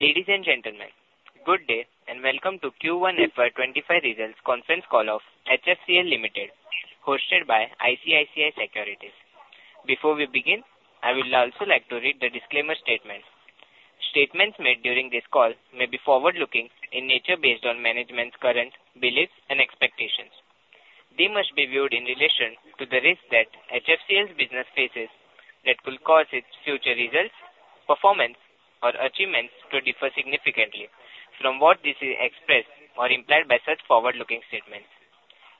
Ladies and gentlemen, good day and welcome to Q1 FY2025 results conference call of HFCL Limited, hosted by ICICI Securities. Before we begin, I would also like to read the disclaimer statements. Statements made during this call may be forward-looking in nature based on management's current beliefs and expectations. They must be viewed in relation to the risk that HFCL's business faces that could cause its future results, performance, or achievements to differ significantly from what this is expressed or implied by such forward-looking statements.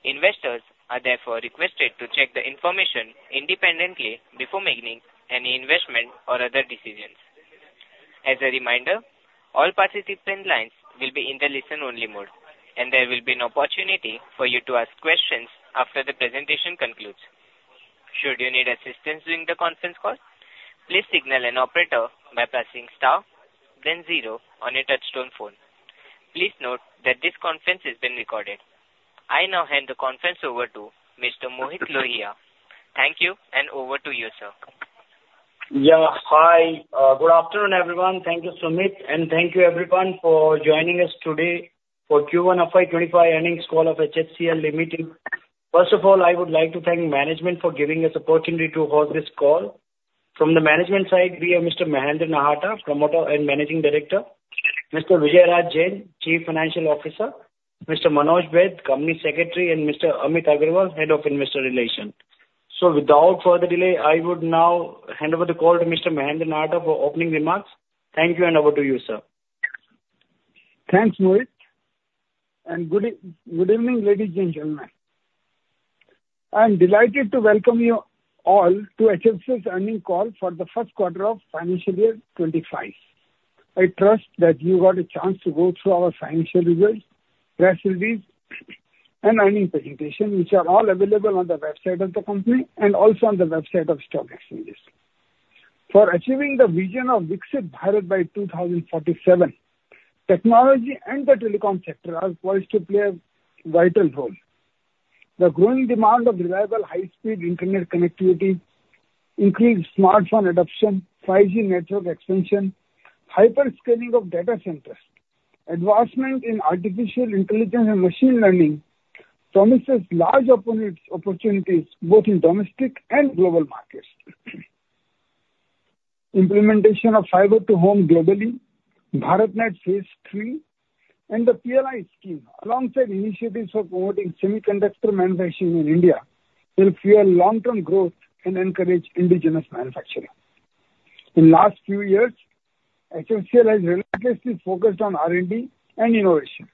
Investors are therefore requested to check the information independently before making any investment or other decisions. As a reminder, all participant lines will be in the listen-only mode, and there will be an opportunity for you to ask questions after the presentation concludes. Should you need assistance during the conference call, please signal an operator by pressing star, then 0 on your touchtone phone. Please note that this conference is being recorded. I now hand the conference over to Mr. Mohit Lohia. Thank you, and over to you, sir. Yeah, hi. Good afternoon, everyone. Thank you, Sumit, and thank you, everyone, for joining us today for Q1 FY2025 earnings call of HFCL Limited. First of all, I would like to thank management for giving us the opportunity to host this call. From the management side, we have Mr. Mahendra Nahata, Promoter and Managing Director, Mr. V. R. Jain, Chief Financial Officer, Mr. Manoj Baid, Company Secretary, and Mr. Amit Agarwal, Head of Investor Relations. Without further delay, I would now hand over the call to Mr. Mahendra Nahata for opening remarks. Thank you, and over to you, sir. Thanks, Mohit. And good evening, ladies and gentlemen. I'm delighted to welcome you all to HFCL's earnings call for the Q1 of financial year 2025. I trust that you got a chance to go through our financial results, press release, and earnings presentation, which are all available on the website of the company and also on the website of the stock exchanges. For achieving the vision of exit by 2047, technology and the telecom sector are poised to play a vital role. The growing demand of reliable, high-speed internet connectivity, increased smartphone adoption, 5G network expansion, hyperscaling of data centers, advancement in artificial intelligence and machine learning promises large opportunities both in domestic and global markets. Implementation of fiber-to-home globally, BharatNet Phase III, and the PLI scheme, alongside initiatives for promoting semiconductor manufacturing in India, will fuel long-term growth and encourage indigenous manufacturing. In the last few years, HFCL has relentlessly focused on R&D and innovation.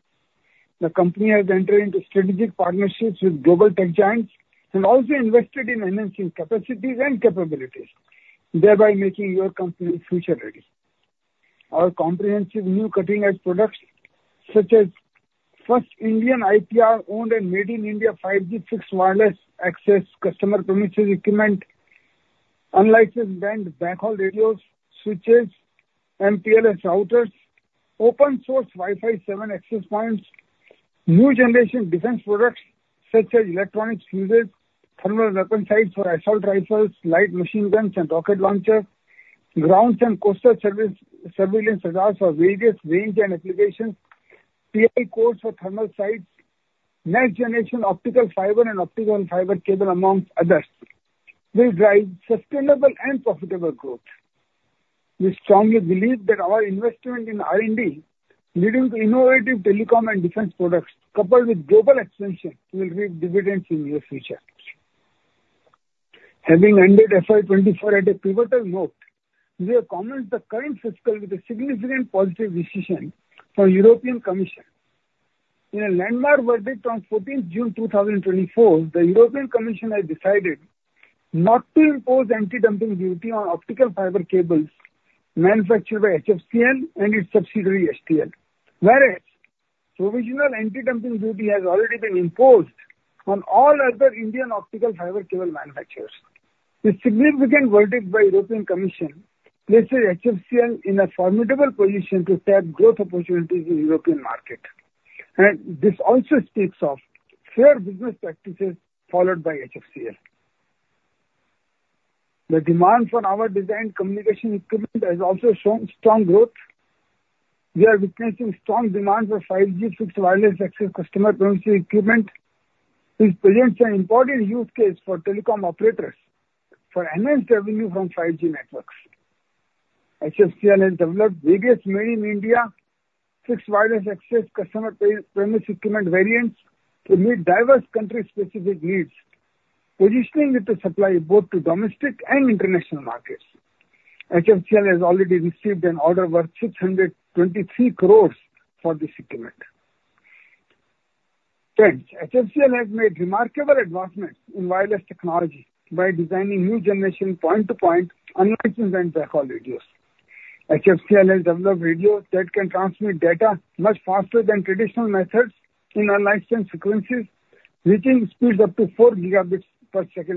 The company has entered into strategic partnerships with global tech giants and also invested in enhancing capacities and capabilities, thereby making your company future-ready. Our comprehensive new cutting-edge products, such as first Indian IPR-owned and made in India 5G Fixed Wireless Access Customer Premises Equipment, unlicensed band backhaul radios, switches, MPLS routers, open-source Wi-Fi 7 access points, new generation defense products such as electronic fuses, thermal weapon sights for assault rifles, light machine guns, and rocket launchers, ground and coastal surveillance radars for various range and applications, TI cores for thermal sights, next-generation optical fiber and optical fiber cable, among others, will drive sustainable and profitable growth. We strongly believe that our investment in R&D, leading to innovative telecom and defense products, coupled with global expansion, will reap dividends in the near future. Having ended FY2024 at a pivotal note, we have commented on the current fiscal with a significant positive decision from the European Commission. In a landmark verdict on 14 June 2024, the European Commission has decided not to impose anti-dumping duty on optical fiber cables manufactured by HFCL and its subsidiary HTL, whereas provisional anti-dumping duty has already been imposed on all other Indian optical fiber cable manufacturers. This significant verdict by the European Commission places HFCL in a formidable position to tap growth opportunities in the European market. This also speaks of fair business practices followed by HFCL. The demand for our designed communication equipment has also shown strong growth. We are witnessing strong demand for 5G Fixed Wireless Access Customer Premises Equipment, which presents an important use case for telecom operators for enhanced revenue from 5G networks. HFCL has developed various Made in India Fixed Wireless Access Customer Premises Equipment variants to meet diverse country-specific needs, positioning it to supply both to domestic and international markets. HFCL has already received an order worth 623 crore for this equipment. Friends, HFCL has made remarkable advancements in wireless technology by designing new generation point-to-point unlicensed and backhaul radios. HFCL has developed radios that can transmit data much faster than traditional methods in unlicensed frequencies, reaching speeds up to 4 Gbps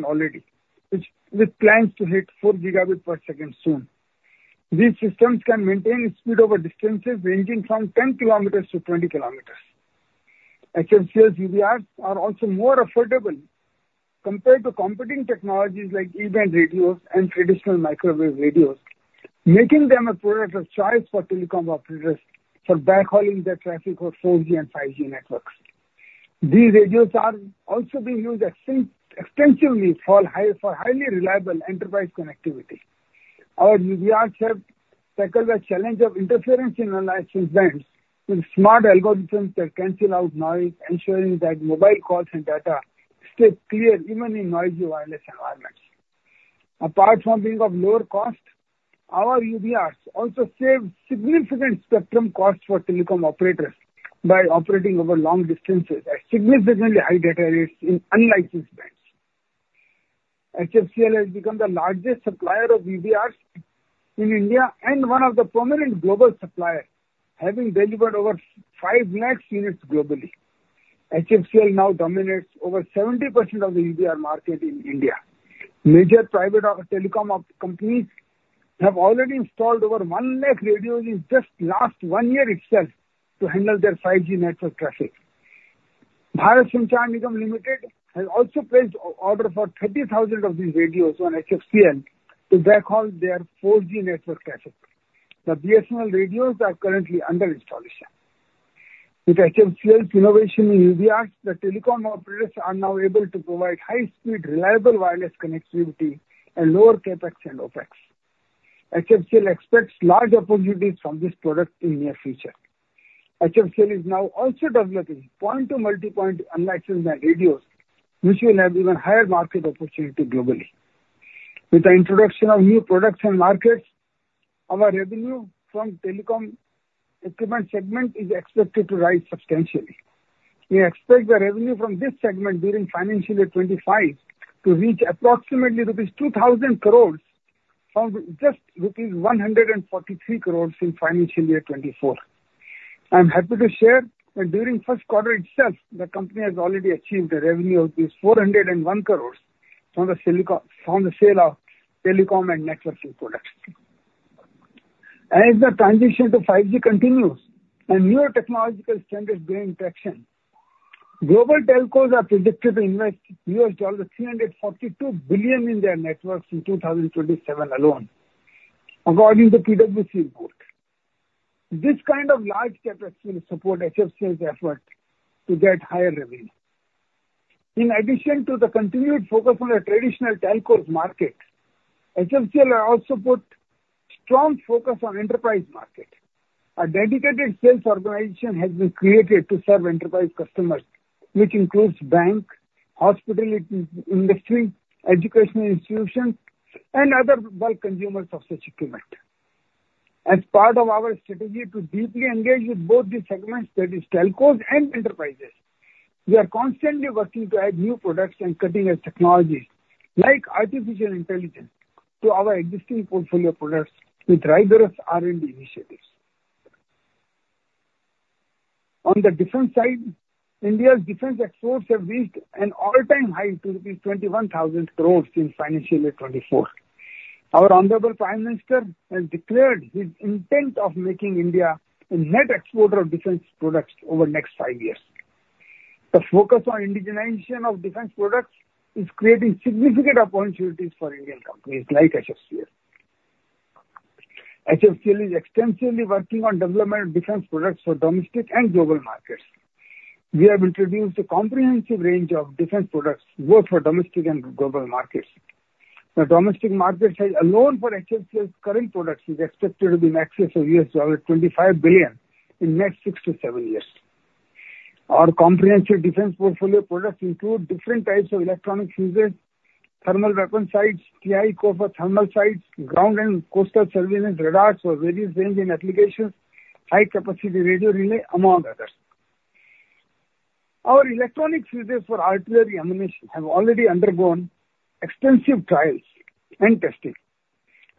already, with plans to hit 4 Gbps soon. These systems can maintain speed over distances ranging from 10 km to 20 km. HFCL's UBRs are also more affordable compared to competing technologies like E-band radios and traditional microwave radios, making them a product of choice for telecom operators for backhauling their traffic for 4G and 5G networks. These radios are also being used extensively for highly reliable enterprise connectivity. Our UBRs have tackled the challenge of interference in unlicensed bands with smart algorithms that cancel out noise, ensuring that mobile calls and data stay clear even in noisy wireless environments. Apart from being of lower cost, our UBRs also save significant spectrum costs for telecom operators by operating over long distances at significantly high data rates in unlicensed bands. HFCL has become the largest supplier of UBRs in India and one of the prominent global suppliers, having delivered over 5 lakh units globally. HFCL now dominates over 70% of the EVR market in India. Major private telecom companies have already installed over 1 lakh radios in just the last one year itself to handle their 5G network traffic. Sanchar Nigam Limited has also placed an order for 30,000 of these radios on HFCL to backhaul their 4G network traffic. The BSNL radios are currently under installation. With HFCL's innovation in UBRs, the telecom operators are now able to provide high-speed, reliable wireless connectivity and lower CapEx and OpEx. HFCL expects large opportunities from this product in the near future. HFCL is now also developing point-to-multipoint unlicensed radios, which will have even higher market opportunity globally. With the introduction of new products and markets, our revenue from the telecom equipment segment is expected to rise substantially. We expect the revenue from this segment during financial year 2025 to reach approximately rupees 2,000 crores from just rupees 143 crores in financial year 2024. I'm happy to share that during the Q1 itself, the company has already achieved a revenue of 401 crores from the sale of telecom and networking products. As the transition to 5G continues and new technological standards gain traction, global telcos are predicted to invest $342 billion in their networks in 2027 alone, according to PWC report. This kind of large capex will support HFCL's effort to get higher revenue. In addition to the continued focus on the traditional telcos market, HFCL has also put a strong focus on the enterprise market. A dedicated sales organization has been created to serve enterprise customers, which includes banks, hospitality industry, educational institutions, and other bulk consumers of such equipment. As part of our strategy to deeply engage with both these segments, that is, telcos and enterprises, we are constantly working to add new products and cutting-edge technologies like artificial intelligence to our existing portfolio products with rigorous R&D initiatives. On the defense side, India's defense exports have reached an all-time high, rupees 21,000 crore in financial year 2024. Our Honorable Prime Minister has declared his intent of making India a net exporter of defense products over the next five years. The focus on indigenization of defense products is creating significant opportunities for Indian companies like HFCL. HFCL is extensively working on the development of defense products for domestic and global markets. We have introduced a comprehensive range of defense products both for domestic and global markets. The domestic market size alone for HFCL's current products is expected to be in excess of $25 billion in the next six to seven years. Our comprehensive defense portfolio products include different types of electronic fuses, thermal weapon sights, Ti cores for thermal sights, ground and coastal surveillance radars for various range and applications, high-capacity radio relay, among others. Our electronic fuses for artillery ammunition have already undergone extensive trials and testing.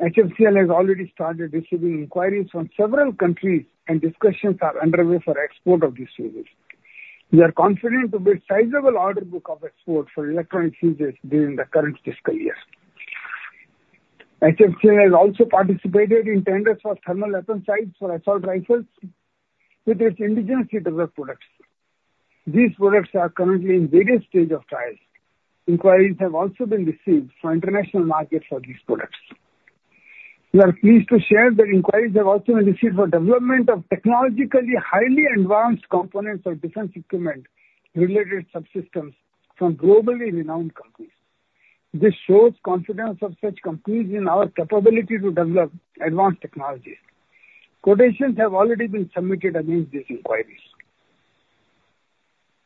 HFCL has already started receiving inquiries from several countries, and discussions are underway for the export of these fuses. We are confident to build a sizable order book of export for electronic fuses during the current fiscal year. HFCL has also participated in tenders for thermal weapon sights for assault rifles with its indigenously developed products. These products are currently in various stages of trials. Inquiries have also been received for the international market for these products. We are pleased to share that inquiries have also been received for the development of technologically highly advanced components of defense equipment-related subsystems from globally renowned companies. This shows the confidence of such companies in our capability to develop advanced technologies. Quotations have already been submitted against these inquiries.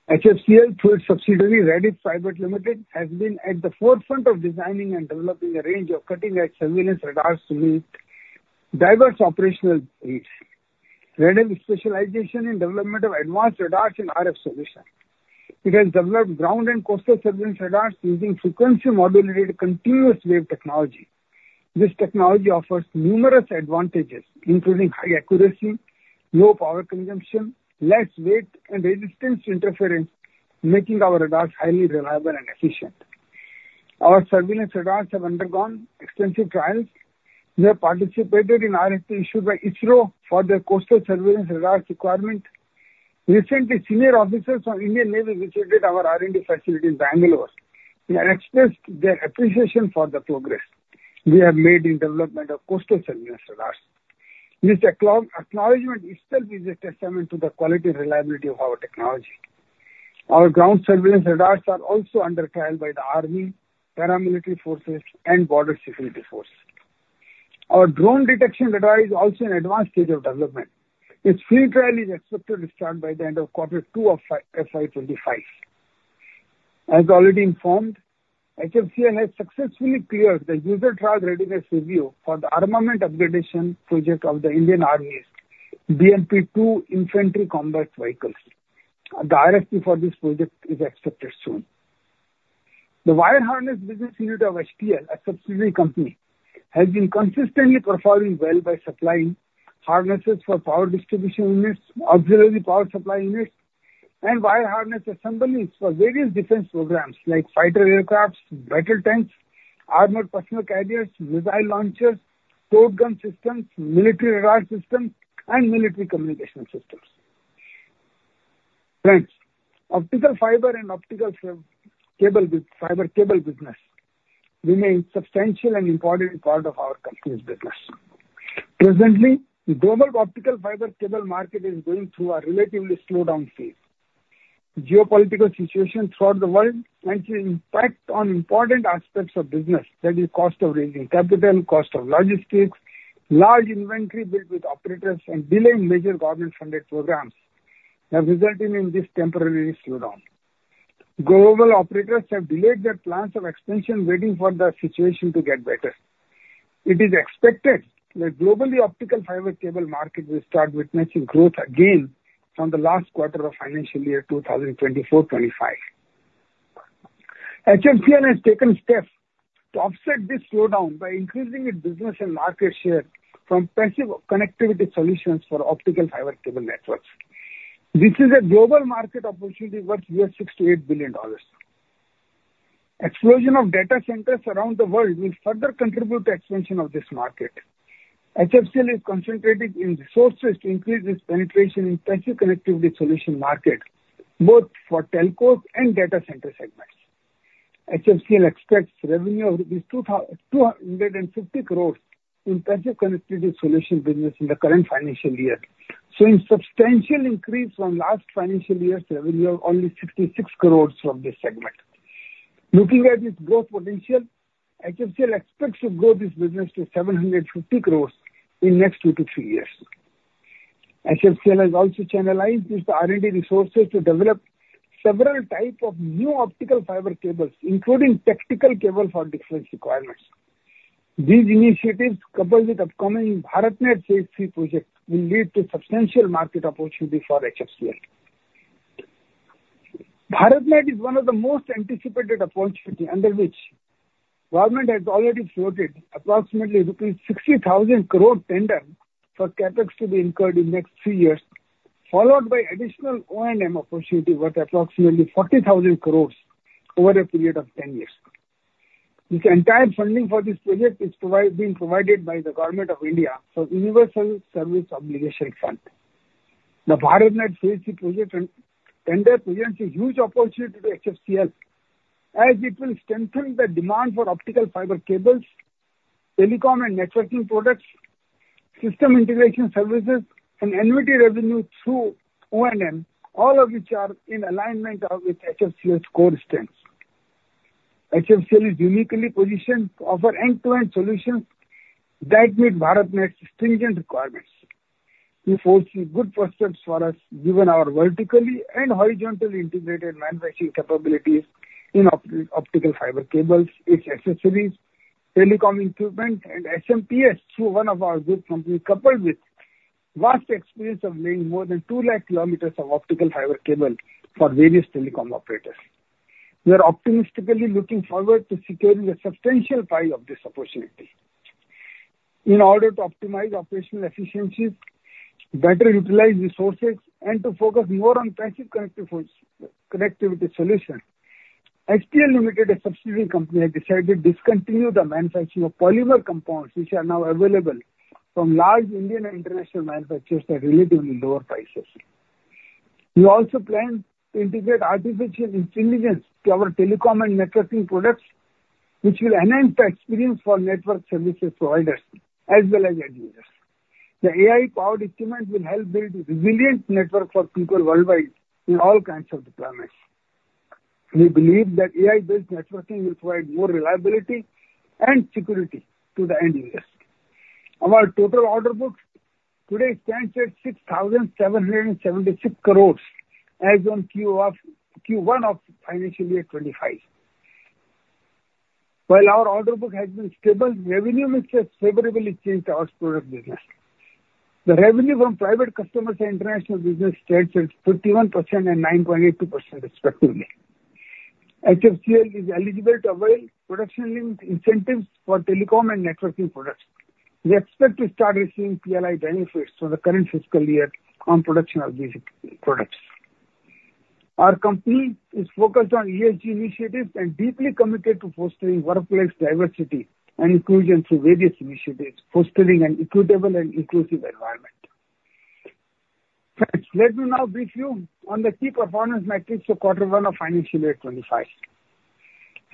HFCL, through its subsidiary Raddef Pvt Ltd, has been at the forefront of designing and developing a range of cutting-edge surveillance radars to meet diverse operational needs. Raddef specializes in the development of advanced radars and RF solutions. It has developed ground and coastal surveillance radars using frequency-modulated continuous wave technology. This technology offers numerous advantages, including high accuracy, low power consumption, less weight, and resistance to interference, making our radars highly reliable and efficient. Our surveillance radars have undergone extensive trials. We have participated in RFPs issued by ISRO for the coastal surveillance radar requirement. Recently, senior officers from the Indian Navy visited our R&D facility in Bangalore and expressed their appreciation for the progress we have made in the development of coastal surveillance radars. This acknowledgment itself is a testament to the quality and reliability of our technology. Our ground surveillance radars are also under trial by the Army, paramilitary forces, and Border Security Force. Our drone detection radar is also in an advanced stage of development. Its field trial is expected to start by the end of Q2 of FY2025. As already informed, HFCL has successfully cleared the User Trial Readiness Review for the armament upgradation project of the Indian Army's BMP-2 Infantry Combat Vehicle. The RFP for this project is expected soon. The wire harness business unit of HFCL, a subsidiary company, has been consistently performing well by supplying harnesses for power distribution units, auxiliary power supply units, and wire harness assemblies for various defense programs like fighter aircraft, battle tanks, armored personnel carriers, missile launchers, towed gun systems, military radar systems, and military communication systems. Friends, optical fiber and optical cable with fiber cable business remain a substantial and important part of our company's business. Presently, the global optical fiber cable market is going through a relative slowdown phase. Geopolitical situations throughout the world have had an impact on important aspects of business, that is, the cost of raising capital, the cost of logistics, large inventory built with operators, and delaying major government-funded programs have resulted in this temporary slowdown. Global operators have delayed their plans of expansion, waiting for the situation to get better. It is expected that the global optical fiber cable market will start witnessing growth again from the last quarter of financial year 2024-2025. HFCL has taken steps to offset this slowdown by increasing its business and market share from passive connectivity solutions for optical fiber cable networks. This is a global market opportunity worth $68 billion. Explosion of data centers around the world will further contribute to the expansion of this market. HFCL is concentrating its resources to increase its penetration in the passive connectivity solution market, both for telcos and data center segments. HFCL expects revenue of rupees 250 crores in passive connectivity solution business in the current financial year, showing a substantial increase from last financial year's revenue of only 66 crores from this segment. Looking at its growth potential, HFCL expects to grow this business to 750 crores in the next two to three years. HFCL has also channelized its R&D resources to develop several types of new optical fiber cables, including tactical cables for different requirements. These initiatives, coupled with the upcoming BharatNet Phase III project, will lead to a substantial market opportunity for HFCL. BharatNet is one of the most anticipated opportunities under which the government has already floated approximately rupees 60,000 crore tender for capex to be incurred in the next three years, followed by an additional O&M opportunity worth approximately 40,000 crores over a period of 10 years. The entire funding for this project is being provided by the Government of India for the Universal Service Obligation Fund. The BharatNet Phase III project tender presents a huge opportunity to HFCL, as it will strengthen the demand for optical fiber cables, telecom and networking products, system integration services, and NVT revenue through O&M, all of which are in alignment with HFCL's core strengths. HFCL is uniquely positioned to offer end-to-end solutions that meet BharatNet's stringent requirements. It holds good prospects for us, given our vertically and horizontally integrated manufacturing capabilities in optical fiber cables, its accessories, telecom equipment, and SMPS through one of our group companies, coupled with vast experience of laying more than 200,000 km of optical fiber cable for various telecom operators. We are optimistically looking forward to securing a substantial pie of this opportunity. In order to optimize operational efficiencies, better utilize resources, and to focus more on passive connectivity solutions, HTL Limited, a subsidiary company, has decided to discontinue the manufacturing of polymer compounds, which are now available from large Indian and international manufacturers at relatively lower prices. We also plan to integrate artificial intelligence into our telecom and networking products, which will enhance the experience for network services providers as well as end users. The AI-powered equipment will help build a resilient network for people worldwide in all kinds of deployments. We believe that AI-based networking will provide more reliability and security to the end users. Our total order book today stands at 6,776 crores as of Q1 of financial year 2025. While our order book has been stable, revenue mix has favorably changed our product business. The revenue from private customers and international business stands at 51% and 9.82%, respectively. HFCL is eligible to avail production-linked incentives for telecom and networking products. We expect to start receiving PLI benefits for the current fiscal year on the production of these products. Our company is focused on ESG initiatives and deeply committed to fostering workplace diversity and inclusion through various initiatives, fostering an equitable and inclusive environment. Friends, let me now brief you on the key performance metrics for Q1 of financial year 2025.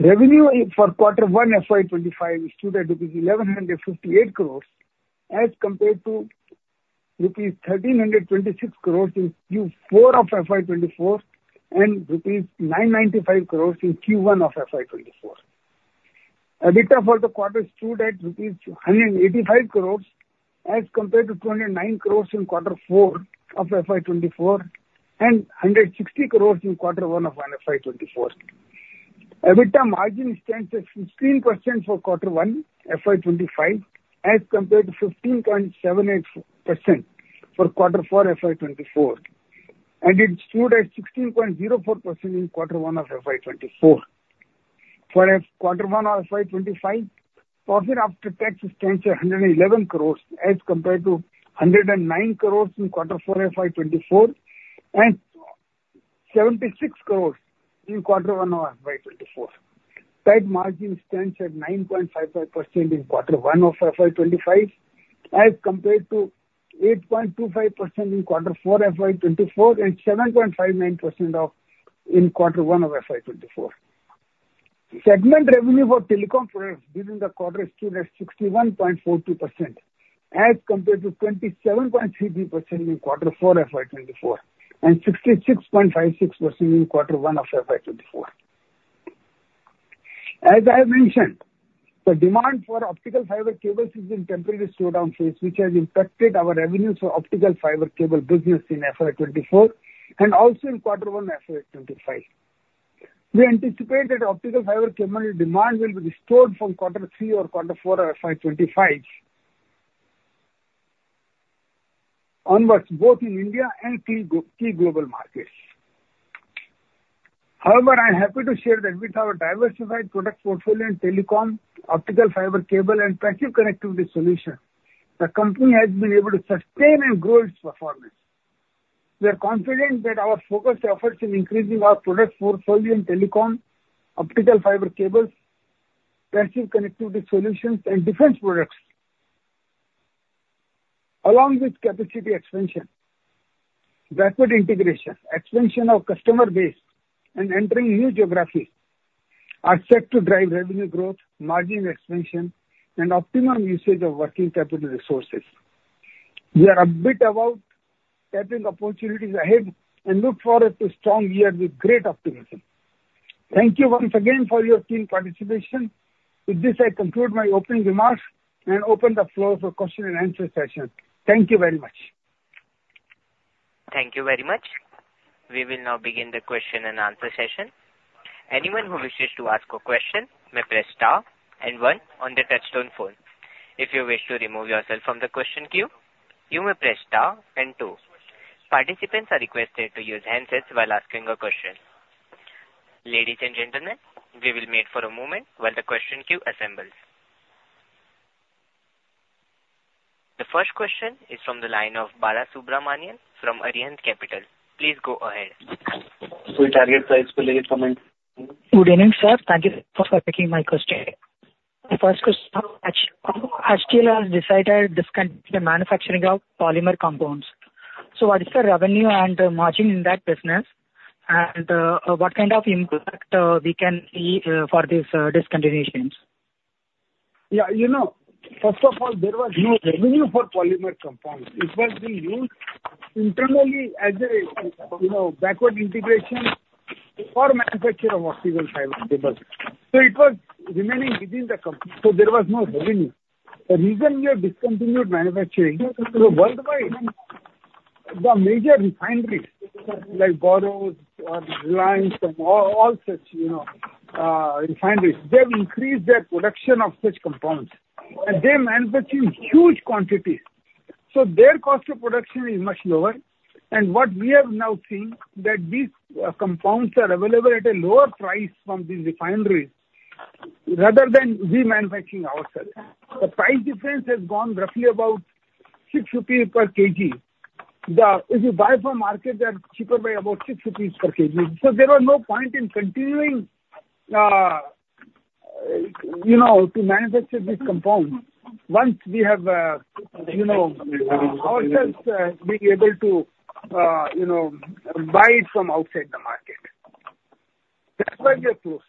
Revenue for Q1 of FY2025 is rupees 1,158 crores as compared to rupees 1,326 crores in Q4 of FY2024 and rupees 995 crores in Q1 of FY2024. EBITDA for the quarter is rupees 185 crores as compared to 209 crores inQ4 of FY2024 and 160 crores in Q1 of FY2024. EBITDA margin stands at 15% for Q1 of FY2025 as compared to 15.78% for Q4 of FY2024, and it stood at 16.04% in Q1 of FY2024. For Q1 of FY2025, profit after tax stands at 111 crores as compared to 109 crores in Q4 of FY2024 and 76 crores in Q1 of FY2024. Net margin stands at 9.55% in Q1 of FY2025 as compared to 8.25% in Q4 of FY2024 and 7.59% in Q4 of FY2024. Segment revenue for telecom products during the quarter stood at 61.42% as compared to 27.33% in Q4 of FY2024 and 66.56% in Q1 of FY2024. As I have mentioned, the demand for optical fiber cables is in a temporary slowdown phase, which has impacted our revenues for optical fiber cable business in FY2024 and also in Q1 of FY2025. We anticipate that optical fiber cable demand will be restored from Q3 or Q4 of FY2025 onwards, both in India and key global markets. However, I am happy to share that with our diversified product portfolio in telecom, optical fiber cable, and passive connectivity solutions, the company has been able to sustain and grow its performance. We are confident that our focus efforts in increasing our product portfolio in telecom, optical fiber cables, passive connectivity solutions, and defense products, along with capacity expansion, rapid integration, expansion of customer base, and entering new geographies, are set to drive revenue growth, margin expansion, and optimum usage of working capital resources. We are upbeat about tapping opportunities ahead and look forward to a strong year with great optimism. Thank you once again for your keen participation. With this, I conclude my opening remarks and open the floor for a question-and-answer session. Thank you very much. Thank you very much. We will now begin the question-and-answer session. Anyone who wishes to ask a question may press star and 1 on the touch-tone phone. If you wish to remove yourself from the question queue, you may press star and 2. Participants are requested to use handsets while asking a question. Ladies and gentlemen, we will wait for a moment while the question queue assembles. The first question is from the line of Balasubramanian A. from Arihant Capital. Please go ahead. So we target price-related comments. Good evening, sir. Thank you for taking my question. My first question: HFCL has decided to discontinue the manufacturing of polymer compounds. So what is the revenue and margin in that business, and what kind of impact can we see for these discontinuations? Yeah, you know, first of all, there was no revenue for polymer compounds. It was being used internally as a backward integration for the manufacture of optical fiber cables. So it was remaining within the company. So there was no revenue. The reason we have discontinued manufacturing is that worldwide, the major refineries like Borouge or LyondellBasell and all such refineries, they have increased their production of such compounds, and they are manufacturing huge quantities. So their cost of production is much lower. What we have now seen is that these compounds are available at a lower price from these refineries rather than we manufacturing ourselves. The price difference has gone roughly about 6 rupees per kg. If you buy from the market, they are cheaper by about 6 rupees per kg. So there was no point in continuing to manufacture these compounds once we have ourselves been able to buy it from outside the market. That's why we are closed.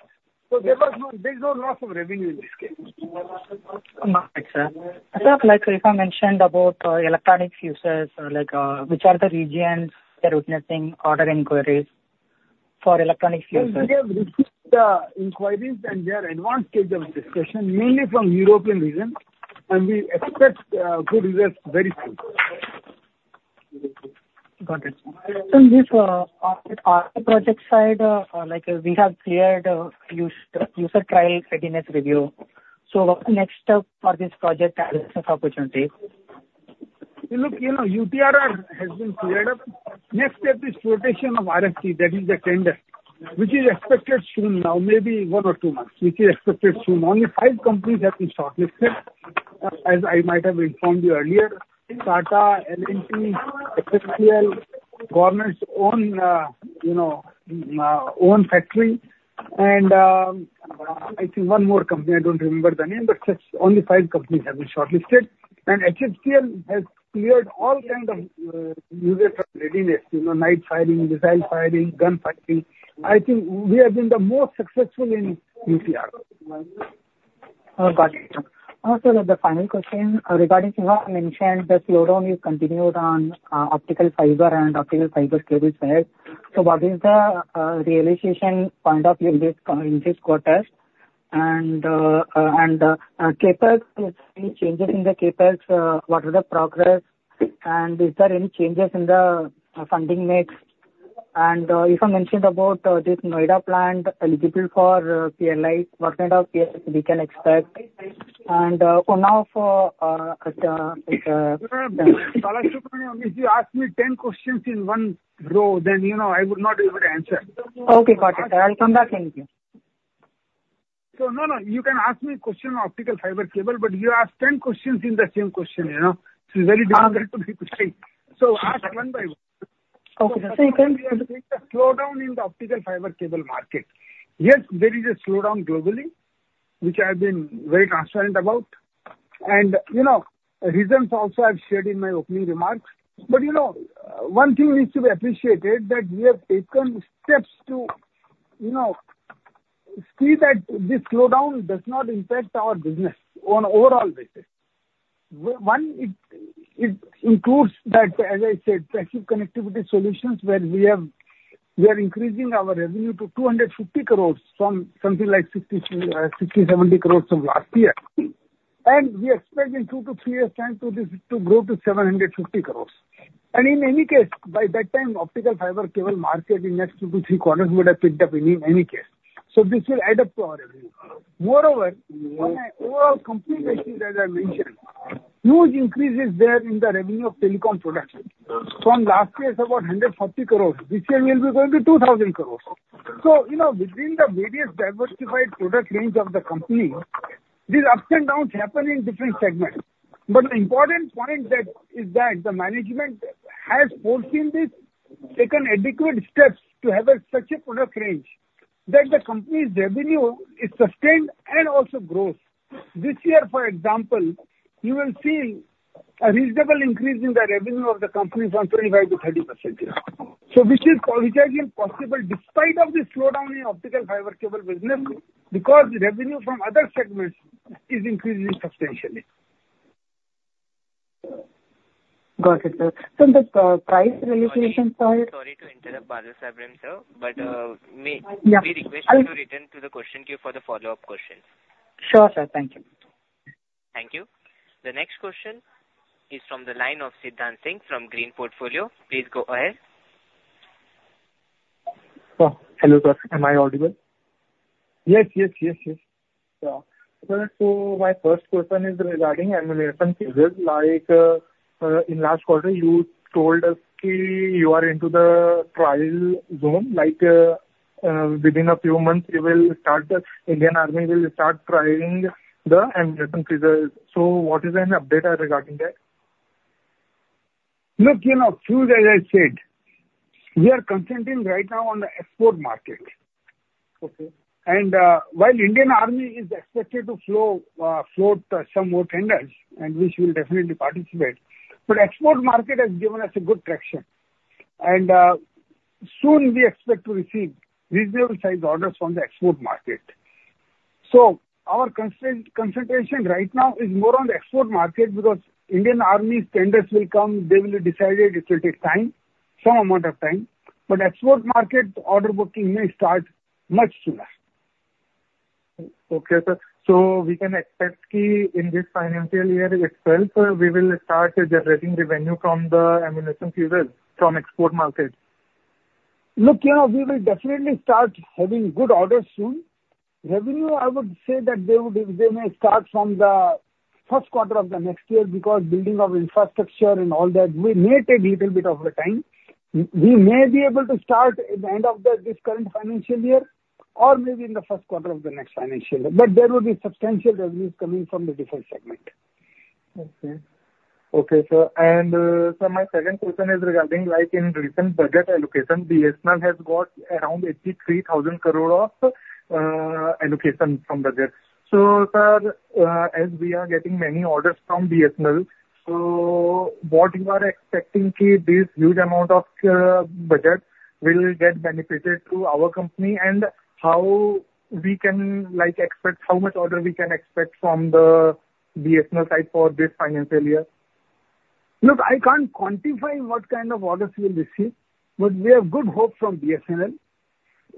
So there was no loss of revenue in this case. Right, sir. I thought, like you have mentioned about electronic fuses, which are the regions that are witnessing order inquiries for electronic fuses. We have received the inquiries and their advanced stage of discussion, mainly from European regions, and we expect good results very soon. Got it. From this HFCL project side, we have cleared user trial readiness review. So what's the next step for this project's access opportunity? Look, UTRR has been cleared up. Next step is floatation of RFP, that is the tender, which is expected soon now, maybe 1 or 2 months, which is expected soon. Only 5 companies have been shortlisted, as I might have informed you earlier: Tata, L&T, HFCL, Government's own factory, and I think one more company. I don't remember the name, but only 5 companies have been shortlisted. And HFCL has cleared all kinds of user readiness: night firing, missile firing, gun firing. I think we have been the most successful in UTRR. Got it. Also, the final question regarding what you mentioned, the slowdown you continued on optical fiber and optical fiber cables there. So what is the realization point of view in this quarter? And any changes in the CapEx? What are the progress? And is there any changes in the funding mix? And you mentioned about this NOIDA plant eligible for PLIs. What kind of CapEx we can expect? And now for. If you ask me 10 questions in one row, then I would not be able to answer. Okay, got it. I'll come back and. So no, no. You can ask me a question on optical fiber cable, but you ask 10 questions in the same question. It's very difficult to be quick. So ask one by one. Okay. So you can. Slowdown in the optical fiber cable market. Yes, there is a slowdown globally, which I have been very transparent about. Reasons also I've shared in my opening remarks. But one thing needs to be appreciated that we have taken steps to see that this slowdown does not impact our business on an overall basis. One, it includes that, as I said, passive connectivity solutions where we are increasing our revenue to 250 crores from something like 60,000, 60,000, 70,000 crores of last year. And we expect in two to three years' time to grow to 750 crores. And in any case, by that time, the optical fiber cable market in the next two to Q3 would have picked up in any case. So this will add up to our revenue. Moreover, overall company, as I mentioned, huge increases there in the revenue of telecom products from last year's about 140 crores. This year will be going to 2,000 crores. So within the various diversified product range of the company, these ups and downs happen in different segments. But the important point is that the management has foreseen this, taken adequate steps to have such a product range that the company's revenue is sustained and also grows. This year, for example, you will see a reasonable increase in the revenue of the company from 25%-30%. So which is possible despite the slowdown in optical fiber cable business because the revenue from other segments is increasing substantially. Got it, sir. From the price realization side. Sorry to interrupt, Balasubramanian sir, but we request you to return to the question queue for the follow-up questions. Sure, sir. Thank you. Thank you. The next question is from the line of Siddhant Singh from Green Portfolio. Please go ahead. Hello, sir. Am I audible? Yes, yes, yes, yes. Sir, so my first question is regarding ammunition fuses. In last quarter, you told us that you are into the trial zone. Within a few months, the Indian Army will start trying the ammunition fuses. So what is the update regarding that? Look, as I said, we are concentrating right now on the export market. And while the Indian Army is expected to float some more tenders, which we will definitely participate in, the export market has given us good traction. And soon, we expect to receive reasonable-sized orders from the export market. So our concentration right now is more on the export market because the Indian Army's tenders will come. They will decide it. It will take time, some amount of time. But the export market order booking may start much sooner. Okay, sir. So we can expect in this financial year itself, we will start generating revenue from the ammunition fuses from the export market? Look, we will definitely start having good orders soon. Revenue, I would say that they may start from the Q1 of the next year because of the building of infrastructure and all that. We may take a little bit of time. We may be able to start at the end of this current financial year or maybe in the Q1 of the next financial year. But there will be substantial revenues coming from the different segments. Okay, sir. And sir, my second question is regarding the recent budget allocation. BSNL has got around 83,000 crore of allocation from budget. So, sir, as we are getting many orders from BSNL, what are you expecting this huge amount of budget will get benefited to our company? How can we expect how much order we can expect from the BSNL side for this financial year? Look, I can't quantify what kind of orders we will receive, but we have good hope from BSNL.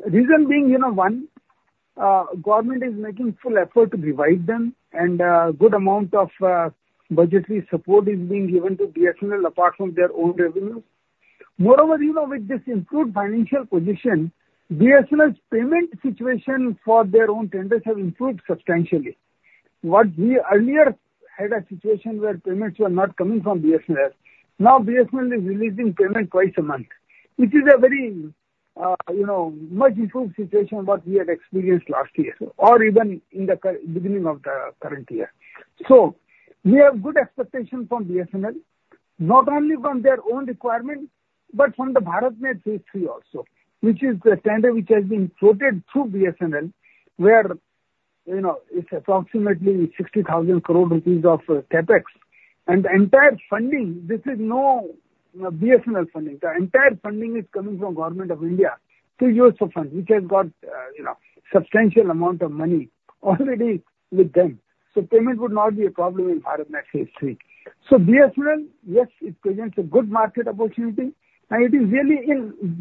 The reason being, one, the government is making full effort to revive them, and a good amount of budgetary support is being given to BSNL apart from their own revenues. Moreover, with this improved financial position, BSNL's payment situation for their own tenders has improved substantially. What we earlier had a situation where payments were not coming from BSNL, now BSNL is releasing payments twice a month, which is a very much improved situation than what we had experienced last year or even in the beginning of the current year. So we have good expectations from BSNL, not only from their own requirement but from the BharatNet Phase III also, which is the tender which has been floated through BSNL, where it's approximately 60,000 crore rupees of CapEx. And the entire funding, this is no BSNL funding. The entire funding is coming from the Government of India through USOF funds, which has got a substantial amount of money already with them. So payment would not be a problem in BharatNet Phase III. So BSNL, yes, it presents a good market opportunity. And it is really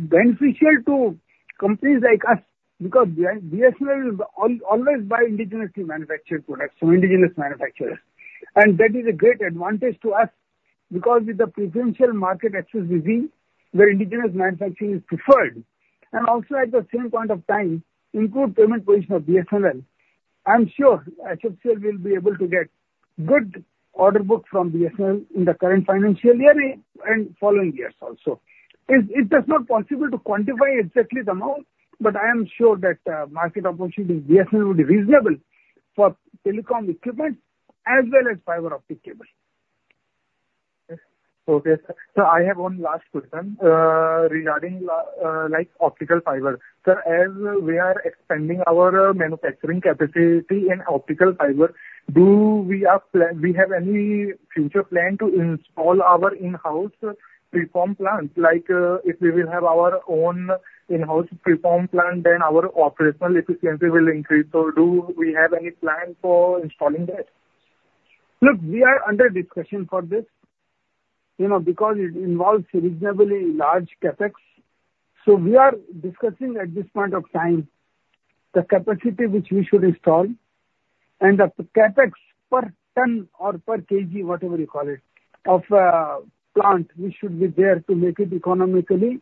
beneficial to companies like us because BSNL always buys indigenously manufactured products from indigenous manufacturers. That is a great advantage to us because with the preferential market access regime where indigenous manufacturing is preferred, and also at the same point of time, improved payment position of BSNL, I'm sure HFCL will be able to get good order books from BSNL in the current financial year and following years also. It's not possible to quantify exactly the amount, but I am sure that the market opportunity in BSNL would be reasonable for telecom equipment as well as fiber optic cables. Okay, sir. So I have one last question regarding optical fiber. Sir, as we are expanding our manufacturing capacity in optical fiber, do we have any future plan to install our in-house preform plants? If we will have our own in-house preform plant, then our operational efficiency will increase. So do we have any plan for installing that? Look, we are under discussion for this because it involves reasonably large CapEx. So we are discussing at this point of time the capacity which we should install and the CapEx per ton or per kg, whatever you call it, of a plant which should be there to make it economically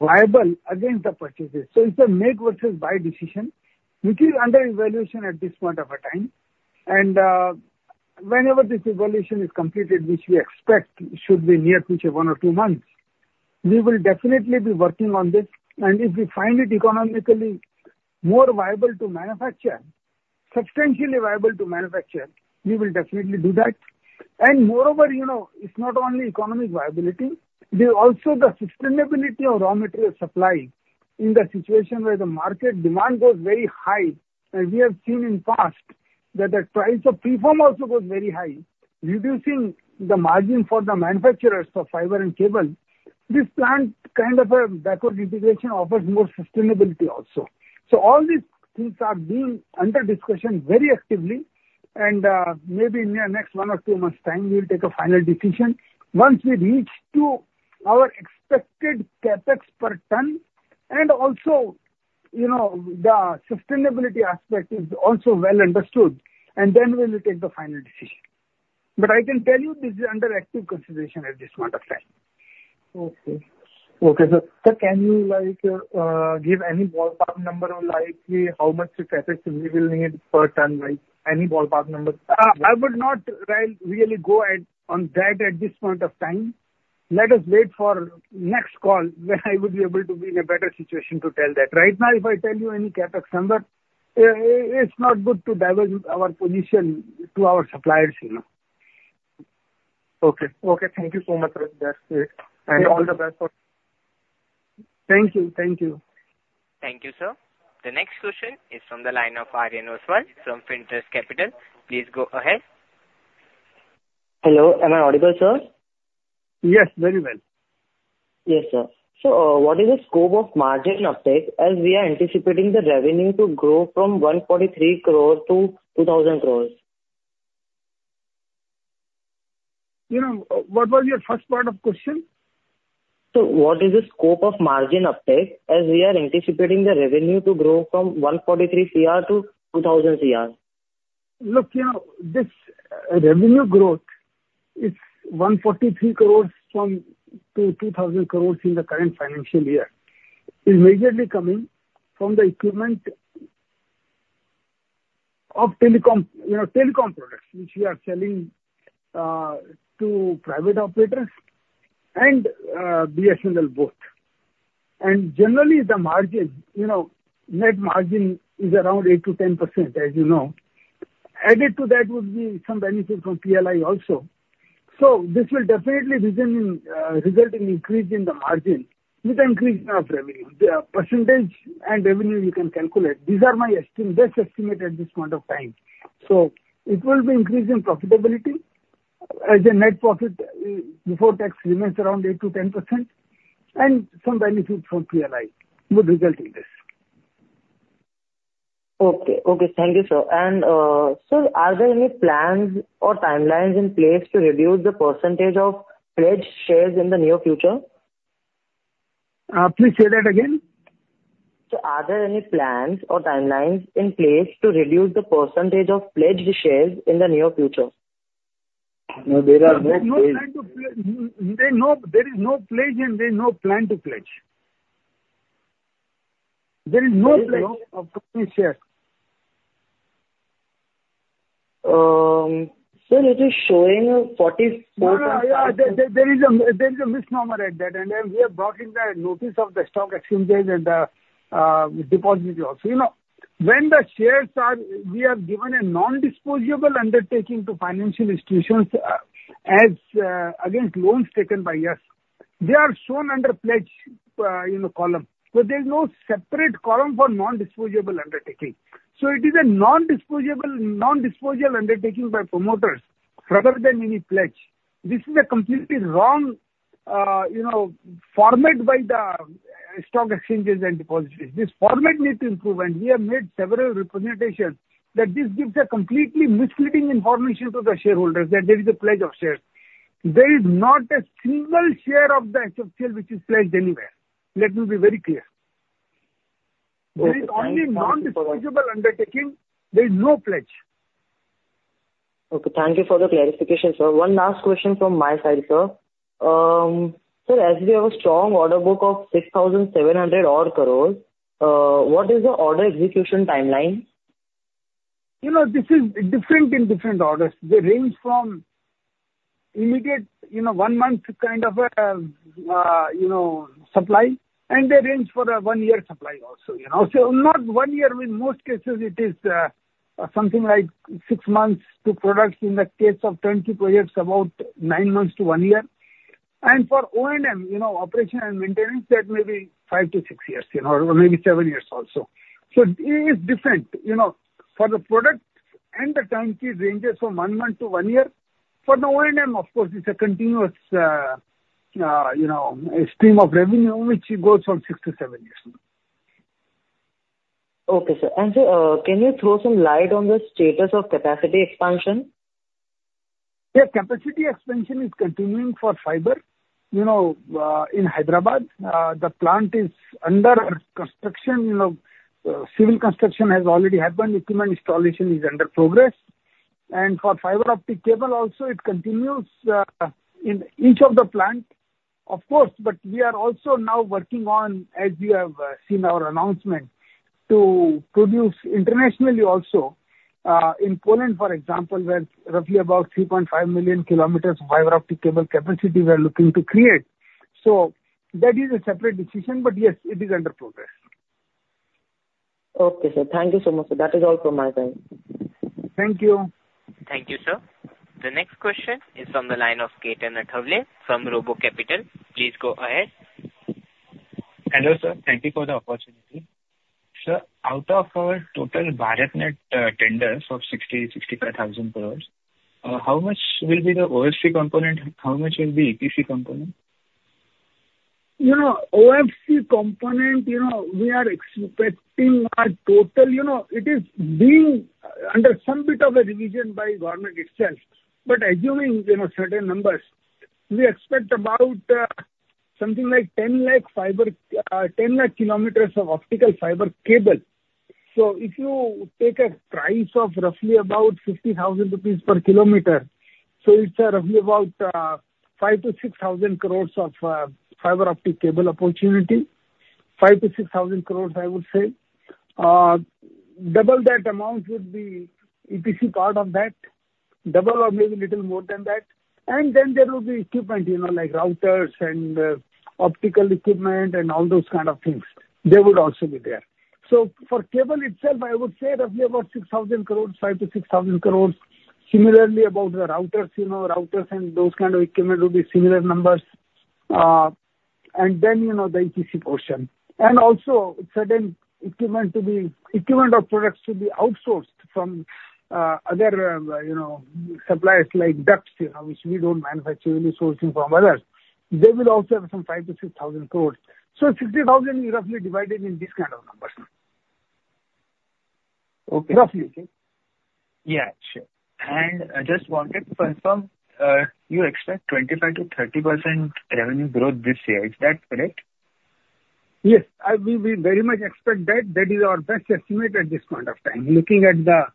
viable against the purchases. So it's a make versus buy decision, which is under evaluation at this point of time. And whenever this evaluation is completed, which we expect should be near future 1 or 2 months, we will definitely be working on this. And if we find it economically more viable to manufacture, substantially viable to manufacture, we will definitely do that. And moreover, it's not only economic viability. There's also the sustainability of raw material supply in the situation where the market demand goes very high. We have seen in the past that the price of preform also goes very high, reducing the margin for the manufacturers of fiber and cable. This plant kind of backward integration offers more sustainability also. So all these things are being under discussion very actively. And maybe in the next 1 or 2 months' time, we will take a final decision once we reach our expected CapEx per ton. And also, the sustainability aspect is also well understood. And then we will take the final decision. But I can tell you this is under active consideration at this point of time. Okay. Okay, sir. Sir, can you give any ballpark number of how much CapEx we will need per ton? Any ballpark number? I would not really go on that at this point of time. Let us wait for the next call when I would be able to be in a better situation to tell that. Right now, if I tell you any CapEx number, it's not good to divulge our position to our suppliers. Okay. Okay. Thank you so much, sir. That's it. And all the best for. Thank you. Thank you. Thank you, sir. The next question is from the line of Aryan Oswal from Fintrust Capital. Please go ahead. Hello. Am I audible, sir? Yes, very well. Yes, sir. So what is the scope of margin uptake as we are anticipating the revenue to grow from 143 crores to 2,000 crores? What was your first part of the question? So what is the scope of margin uptake as we are anticipating the revenue to grow from 143 crores to 2,000 crores? Look, this revenue growth, it's 143 crores to 2,000 crores in the current financial year. It's majorly coming from the equipment of telecom products, which we are selling to private operators and BSNL both. And generally, the net margin is around 8%-10%, as you know. Added to that would be some benefit from PLI also. So this will definitely result in an increase in the margin with an increase in revenue. The percentage and revenue, you can calculate. These are my best estimates at this point of time. So it will be an increase in profitability as the net profit before tax remains around 8%-10%. And some benefit from PLI would result in this. Okay. Okay. Thank you, sir. And sir, are there any plans or timelines in place to reduce the percentage of pledged shares in the near future? Please say that again. So are there any plans or timelines in place to reduce the percentage of pledged shares in the near future? No, there are no pledge. There is no pledge, and there is no plan to pledge. There is no pledge of pledged shares. Sir, it is showing 44%. Yeah, yeah. There is a misnomer at that. We have brought in the notice of the stock exchanges and the depository also. When the shares are, we have given a non-disposable undertaking to financial institutions against loans taken by us. They are shown under pledge column. But there is no separate column for non-disposable undertaking. So it is a non-disposable undertaking by promoters rather than any pledge. This is a completely wrong format by the stock exchanges and depositories. This format needs to improve. We have made several representations that this gives a completely misleading information to the shareholders that there is a pledge of shares. There is not a single share of the HFCL which is pledged anywhere. Let me be very clear. There is only non-disposable undertaking. There is no pledge. Okay. Thank you for the clarification, sir. One last question from my side, sir. Sir, as we have a strong order book of 6,700 crore, what is the order execution timeline? This is different in different orders. They range from immediate 1-month kind of supply, and they range for a 1-year supply also. So not 1 year. In most cases, it is something like 6 months to products in the case of turnkey projects, about 9 months to 1 year. And for O&M, operation and maintenance, that may be 5-6 years or maybe 7 years also. So it is different. For the products and the time period ranges from 1 month to 1 year. For the O&M, of course, it's a continuous stream of revenue, which goes from 6 to 7 years. Okay, sir. And sir, can you throw some light on the status of capacity expansion? Yes. Capacity expansion is continuing for fiber in Hyderabad. The plant is under construction. Civil construction has already happened. Equipment installation is under progress. And for fiber optic cable also, it continues in each of the plants, of course. But we are also now working on, as you have seen our announcement, to produce internationally also. In Poland, for example, where roughly about 3.5 million kilometers of fiber optic cable capacity we are looking to create. So that is a separate decision. But yes, it is under progress. Okay, sir. Thank you so much, sir. That is all from my side. Thank you. Thank you, sir. The next question is from the line of Ketan Athavale from Robo Capital. Please go ahead. Hello, sir. Thank you for the opportunity. Sir, out of our total BharatNet tenders of 60,000-65,000 crore, how much will be the OFC component? How much will be EPC component? OFC component, we are expecting a total it is being under some bit of a revision by government itself. But assuming certain numbers, we expect about something like 1,000,000 kilometers of optical fiber cable. So if you take a price of roughly about 50,000 rupees per kilometer, so it's roughly about 5,000-6,000 crore of fiber optic cable opportunity, 5,000-6,000 crore, I would say. Double that amount would be EPC part of that, double or maybe a little more than that. And then there will be equipment like routers and optical equipment and all those kind of things. They would also be there. So for cable itself, I would say roughly about 6,000 crores, 5,000-6,000 crores. Similarly, about the routers, routers and those kind of equipment would be similar numbers. And then the EPC portion. And also, certain equipment of products should be outsourced from other suppliers like ducts, which we don't manufacture. We're sourcing from others. They will also have some 5,000-6,000 crores. So 60,000 crore is roughly divided in these kind of numbers. Roughly. Yeah, sure. And I just wanted to confirm you expect 25%-30% revenue growth this year. Is that correct? Yes. We very much expect that. That is our best estimate at this point of time. Looking at the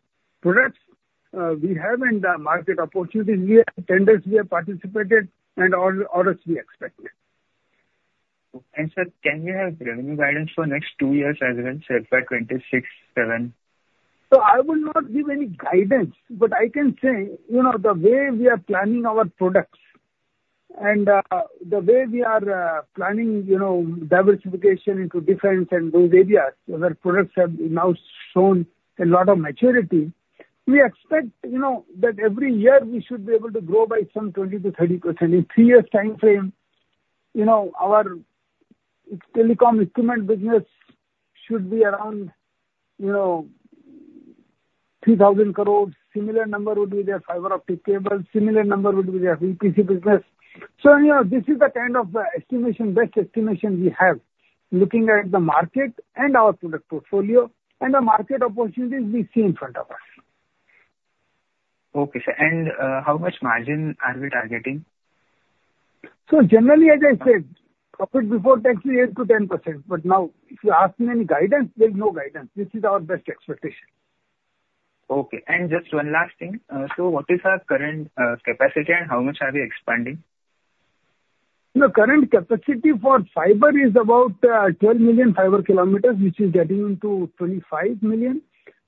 products we have and the market opportunities here, tenders we have participated, and orders we expect. And sir, can you have revenue guidance for the next two years as well? So FY2026, FY2027. So I will not give any guidance. But I can say the way we are planning our products and the way we are planning diversification into defense and those areas, where products have now shown a lot of maturity, we expect that every year we should be able to grow by some 20%-30%. In three years' time frame, our telecom equipment business should be around 3,000 crores. Similar number would be the fiber optic cable. Similar number would be the EPC business. So this is the kind of best estimation we have, looking at the market and our product portfolio and the market opportunities we see in front of us. Okay, sir. And how much margin are we targeting? So generally, as I said, profit before tax is 8%-10%. But now, if you ask me any guidance, there is no guidance. This is our best expectation. Okay. And just one last thing. So what is our current capacity and how much are we expanding? The current capacity for fiber is about 12 million fiber kilometers, which is getting into 25 million.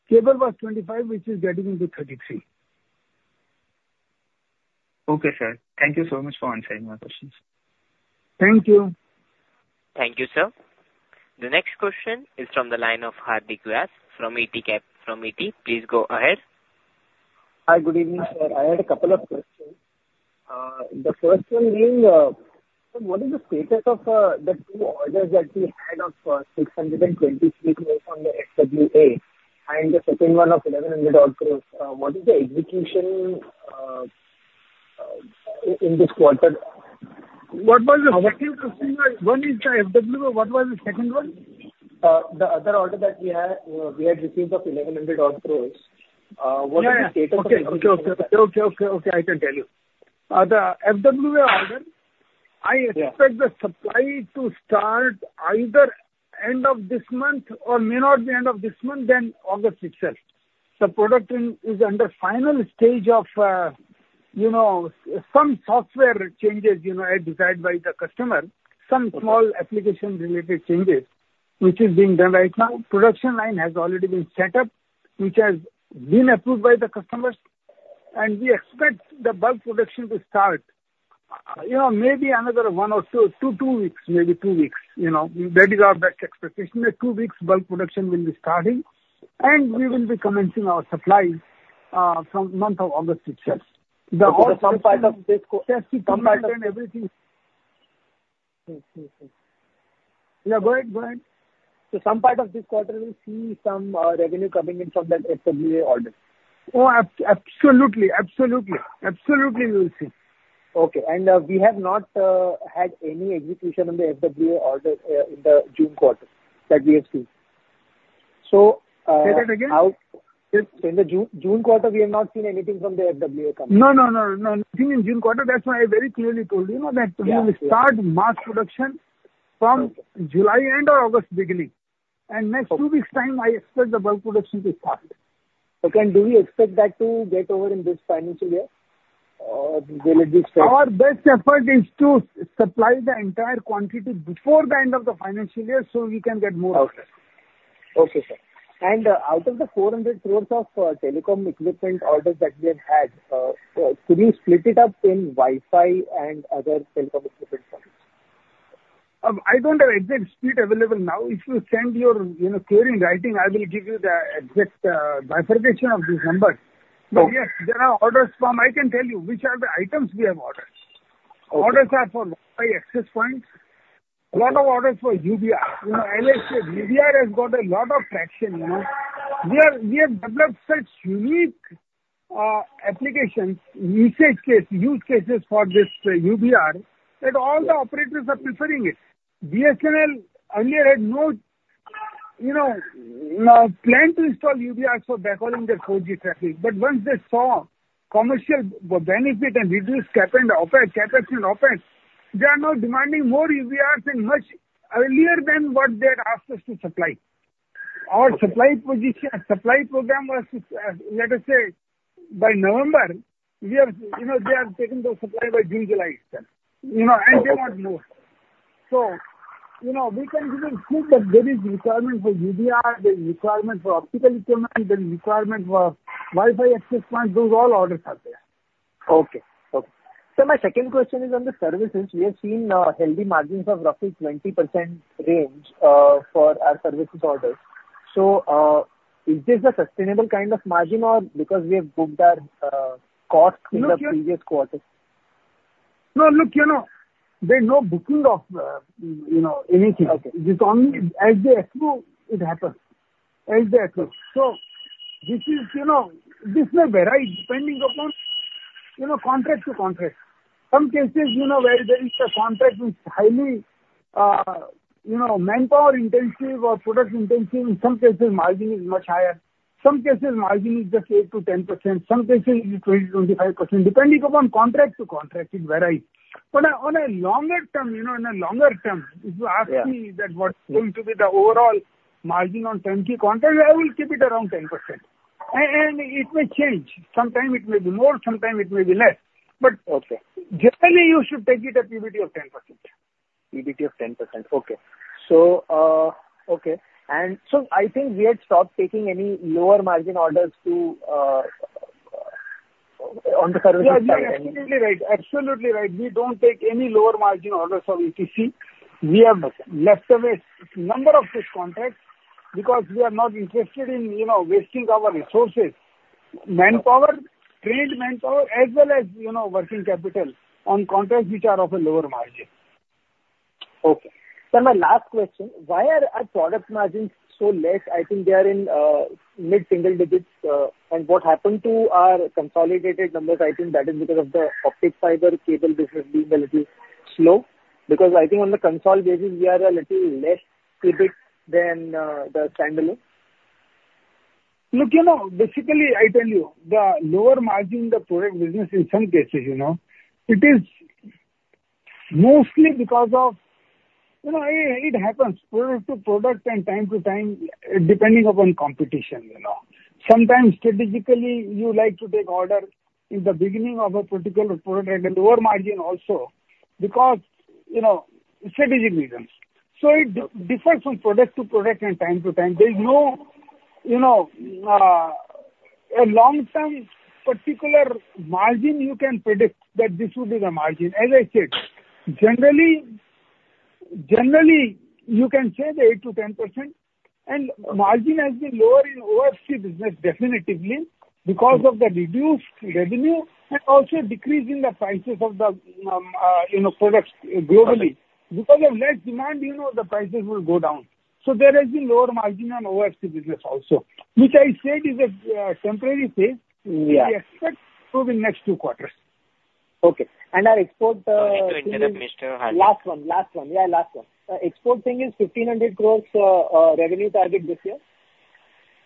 Cable was 25, which is getting into 33. Okay, sir. Thank you so much for answering my questions. Thank you. Thank you, sir. The next question is from the line of Hardik Vyas from A.T. Capital. From AT, please go ahead. Hi, good evening, sir. I had a couple of questions. The first one being, what is the status of the two orders that we had of 623 crore on the FWA and the second one of 1,100 crore? What is the execution in this quarter? What was the second question? One is the FWA. What was the second one? The other order that we had received of 1,100 crore, what is the status of the execution? Okay, okay, okay, okay, okay. I can tell you. The FWA order, I expect the supply to start either end of this month or may not be end of this month, then August itself. The product is under final stage of some software changes decided by the customer, some small application-related changes, which is being done right now. Production line has already been set up, which has been approved by the customers. We expect the bulk production to start maybe another 1 or 2, 2 weeks, maybe 2 weeks. That is our best expectation. In 2 weeks, bulk production will be starting. And we will be commencing our supply from the month of August itself. The whole compiled of this quarter. Yeah, go ahead, go ahead. So some part of this quarter, we'll see some revenue coming in from that FWA order. Oh, absolutely. Absolutely. Absolutely, we will see. Okay. And we have not had any execution on the FWA order in the June quarter that we have seen. So say that again. In the June quarter, we have not seen anything from the FWA company. No, no, no, no, nothing in June quarter. That's why I very clearly told you that we will start mass production from July end or August beginning. Next 2 weeks' time, I expect the bulk production to start. So can we expect that to get over in this financial year? Or will it be spread? Our best effort is to supply the entire quantity before the end of the financial year so we can get more of it. Okay. Okay, sir. And out of the 400 crore of telecom equipment orders that we have had, could you split it up in Wi-Fi and other telecom equipment? I don't have exact split available now. If you send your query in writing, I will give you the exact bifurcation of these numbers. But yes, there are orders for. I can tell you which are the items we have ordered. Orders are for Wi-Fi access points. A lot of orders for UBR. Like UBR has got a lot of traction. We have developed such unique applications, use cases for this UBR that all the operators are preferring it. BSNL earlier had no plan to install UBRs for backhauling their 4G traffic. But once they saw commercial benefit and reduced CAPEX and OPEX, they are now demanding more UBRs and much earlier than what they had asked us to supply. Our supply program was, let us say, by November. They have taken the supply by June, July itself. And they want more. So we can give you speed, but there is requirement for UBR. There is requirement for optical equipment. There is requirement for Wi-Fi access points. Those all orders are there. Okay. Okay. So my second question is on the services. We have seen healthy margins of roughly 20% range for our services orders. So is this a sustainable kind of margin or because we have booked our cost in the previous quarter? No, look, there is no booking of anything. It's only as they approve, it happens. As they approve. So this is a variety depending upon contract to contract. Some cases where there is a contract which is highly manpower intensive or product intensive, in some cases, margin is much higher. Some cases, margin is just 8%-10%. Some cases, it is 20%-25%. Depending upon contract to contract, it varies. But on a longer term, in a longer term, if you ask me that what's going to be the overall margin on 20 contracts, I will keep it around 10%. And it may change. Sometime it may be more. Sometime it may be less. But generally, you should take it at PBT of 10%. PBT of 10%. Okay. So, I think we had stopped taking any lower margin orders on the services side. Yeah, you're absolutely right. Absolutely right. We don't take any lower margin orders of EPC. We have left away a number of these contracts because we are not interested in wasting our resources, manpower, trained manpower, as well as working capital on contracts which are of a lower margin. Okay. So my last question, why are our product margins so less? I think they are in mid-single digits. And what happened to our consolidated numbers? I think that is because of the optical fiber cable business being a little slow. Because I think on the consolidated, we are a little less EBIT than the standalone. Look, basically, I tell you, the lower margin, the product business in some cases, it is mostly because of it happens product to product and time to time, depending upon competition. Sometimes strategically, you like to take order in the beginning of a particular product and a lower margin also because strategic reasons. So it differs from product to product and time to time. There is no long-term particular margin you can predict that this would be the margin. As I said, generally, you can say the 8%-10%. And margin has been lower in OFC business, definitely, because of the reduced revenue and also decrease in the prices of the products globally. Because of less demand, the prices will go down. So there has been lower margin on OFC business also, which I said is a temporary phase. We expect to improve in next Q2. Okay. And our export thing is the last one. Last one. Yeah, last one. Export thing is 1,500 crores revenue target this year?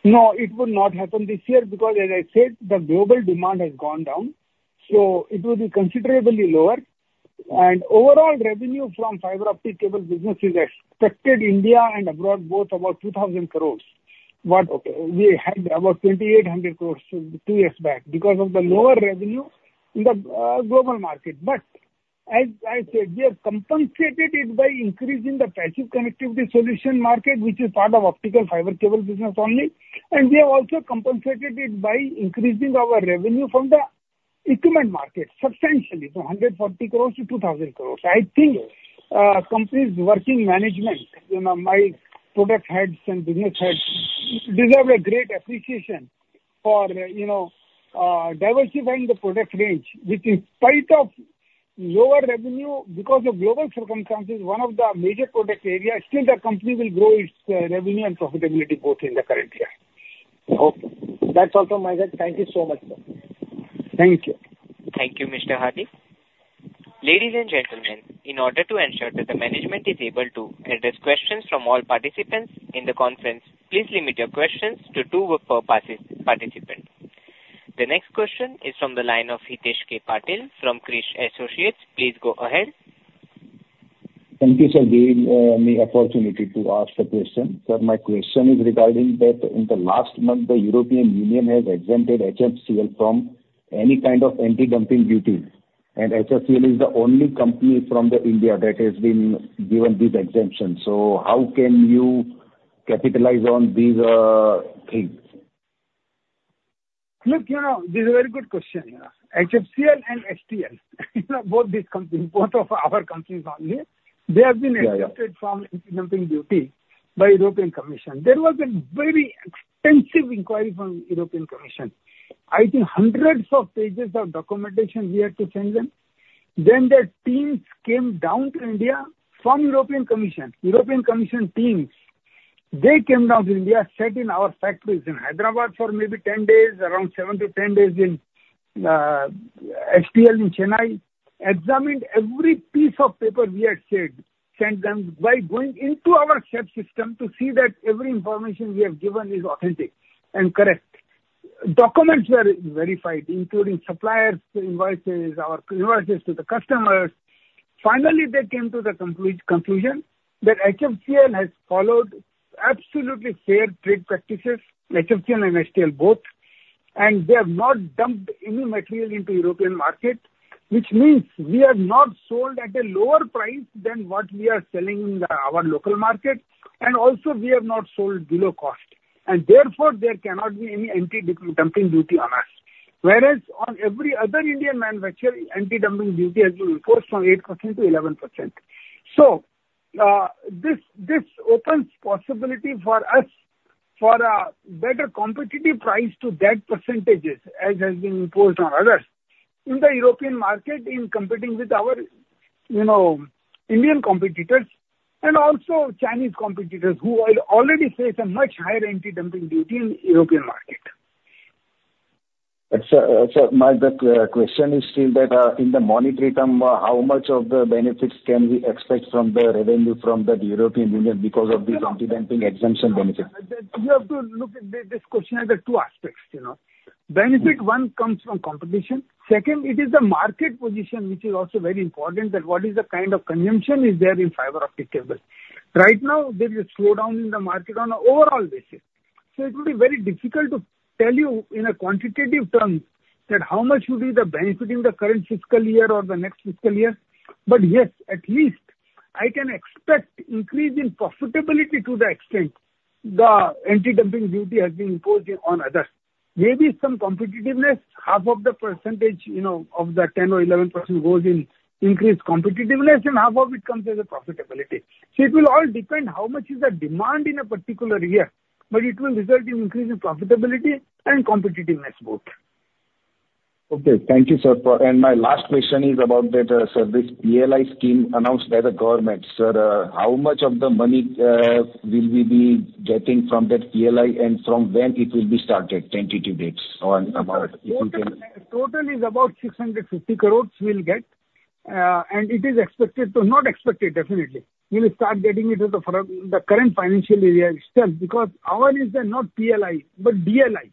No, it would not happen this year because, as I said, the global demand has gone down. So it will be considerably lower. And overall revenue from fiber optic cable business is expected India and abroad, both about 2,000 crores. We had about 2,800 crores two years back because of the lower revenue in the global market. But as I said, we have compensated it by increasing the passive connectivity solution market, which is part of optical fiber cable business only. And we have also compensated it by increasing our revenue from the equipment market substantially, from 140 crores to 2,000 crores. I think companies' working management, my product heads and business heads deserve a great appreciation for diversifying the product range, which in spite of lower revenue, because of global circumstances, one of the major product areas, still the company will grow its revenue and profitability both in the current year. Okay. That's all from my side. Thank you so much, sir. Thank you. Thank you, Mr. Hardik. Ladies and gentlemen, in order to ensure that the management is able to address questions from all participants in the conference, please limit your questions to two participants. The next question is from the line of Hitesh K. Patil from Kris Associates. Please go ahead. Thank you, sir, giving me the opportunity to ask the question. Sir, my question is regarding that in the last month, the European Union has exempted HFCL from any kind of anti-dumping duties. HFCL is the only company from India that has been given this exemption. So how can you capitalize on these things? Look, this is a very good question. HFCL and HTL, both these companies, both of our companies only, they have been exempted from anti-dumping duties by the European Commission. There was a very extensive inquiry from the European Commission. I think hundreds of pages of documentation we had to send them. Then their teams came down to India from the European Commission. European Commission teams, they came down to India, sat in our factories in Hyderabad for maybe 10 days, around 7-10 days in HTL in Chennai, examined every piece of paper we had sent them by going into our SAP system to see that every information we have given is authentic and correct. Documents were verified, including suppliers' invoices, our invoices to the customers. Finally, they came to the conclusion that HFCL has followed absolutely fair trade practices, HFCL and HTL both, and they have not dumped any material into the European market, which means we have not sold at a lower price than what we are selling in our local market. And also, we have not sold below cost. And therefore, there cannot be any anti-dumping duty on us. Whereas on every other Indian manufacturer, anti-dumping duty has been imposed from 8%-11%. So this opens possibility for us for a better competitive price to that percentage as has been imposed on others in the European market in competing with our Indian competitors and also Chinese competitors who will already face a much higher anti-dumping duty in the European market. Sir, my question is still that in the monetary term, how much of the benefits can we expect from the revenue from the European Union because of these anti-dumping exemption benefits? You have to look at this question as two aspects. Benefit one comes from competition. Second, it is the market position, which is also very important that what is the kind of consumption is there in fiber optic cables. Right now, there is a slowdown in the market on an overall basis. So it will be very difficult to tell you in a quantitative term that how much would be the benefit in the current fiscal year or the next fiscal year. But yes, at least I can expect increase in profitability to the extent the anti-dumping duty has been imposed on others. Maybe some competitiveness, half of the percentage of the 10% or 11% goes in increased competitiveness, and half of it comes as a profitability. So it will all depend how much is the demand in a particular year. But it will result in increasing profitability and competitiveness both. Okay. Thank you, sir. My last question is about that, sir, this PLI scheme announced by the government, sir, how much of the money will we be getting from that PLI and from when it will be started, tentative dates on about if you can? Total is about 650 crore we'll get. And it is expected, not expected, definitely. We will start getting it with the current financial year itself because ours is not PLI, but DLI.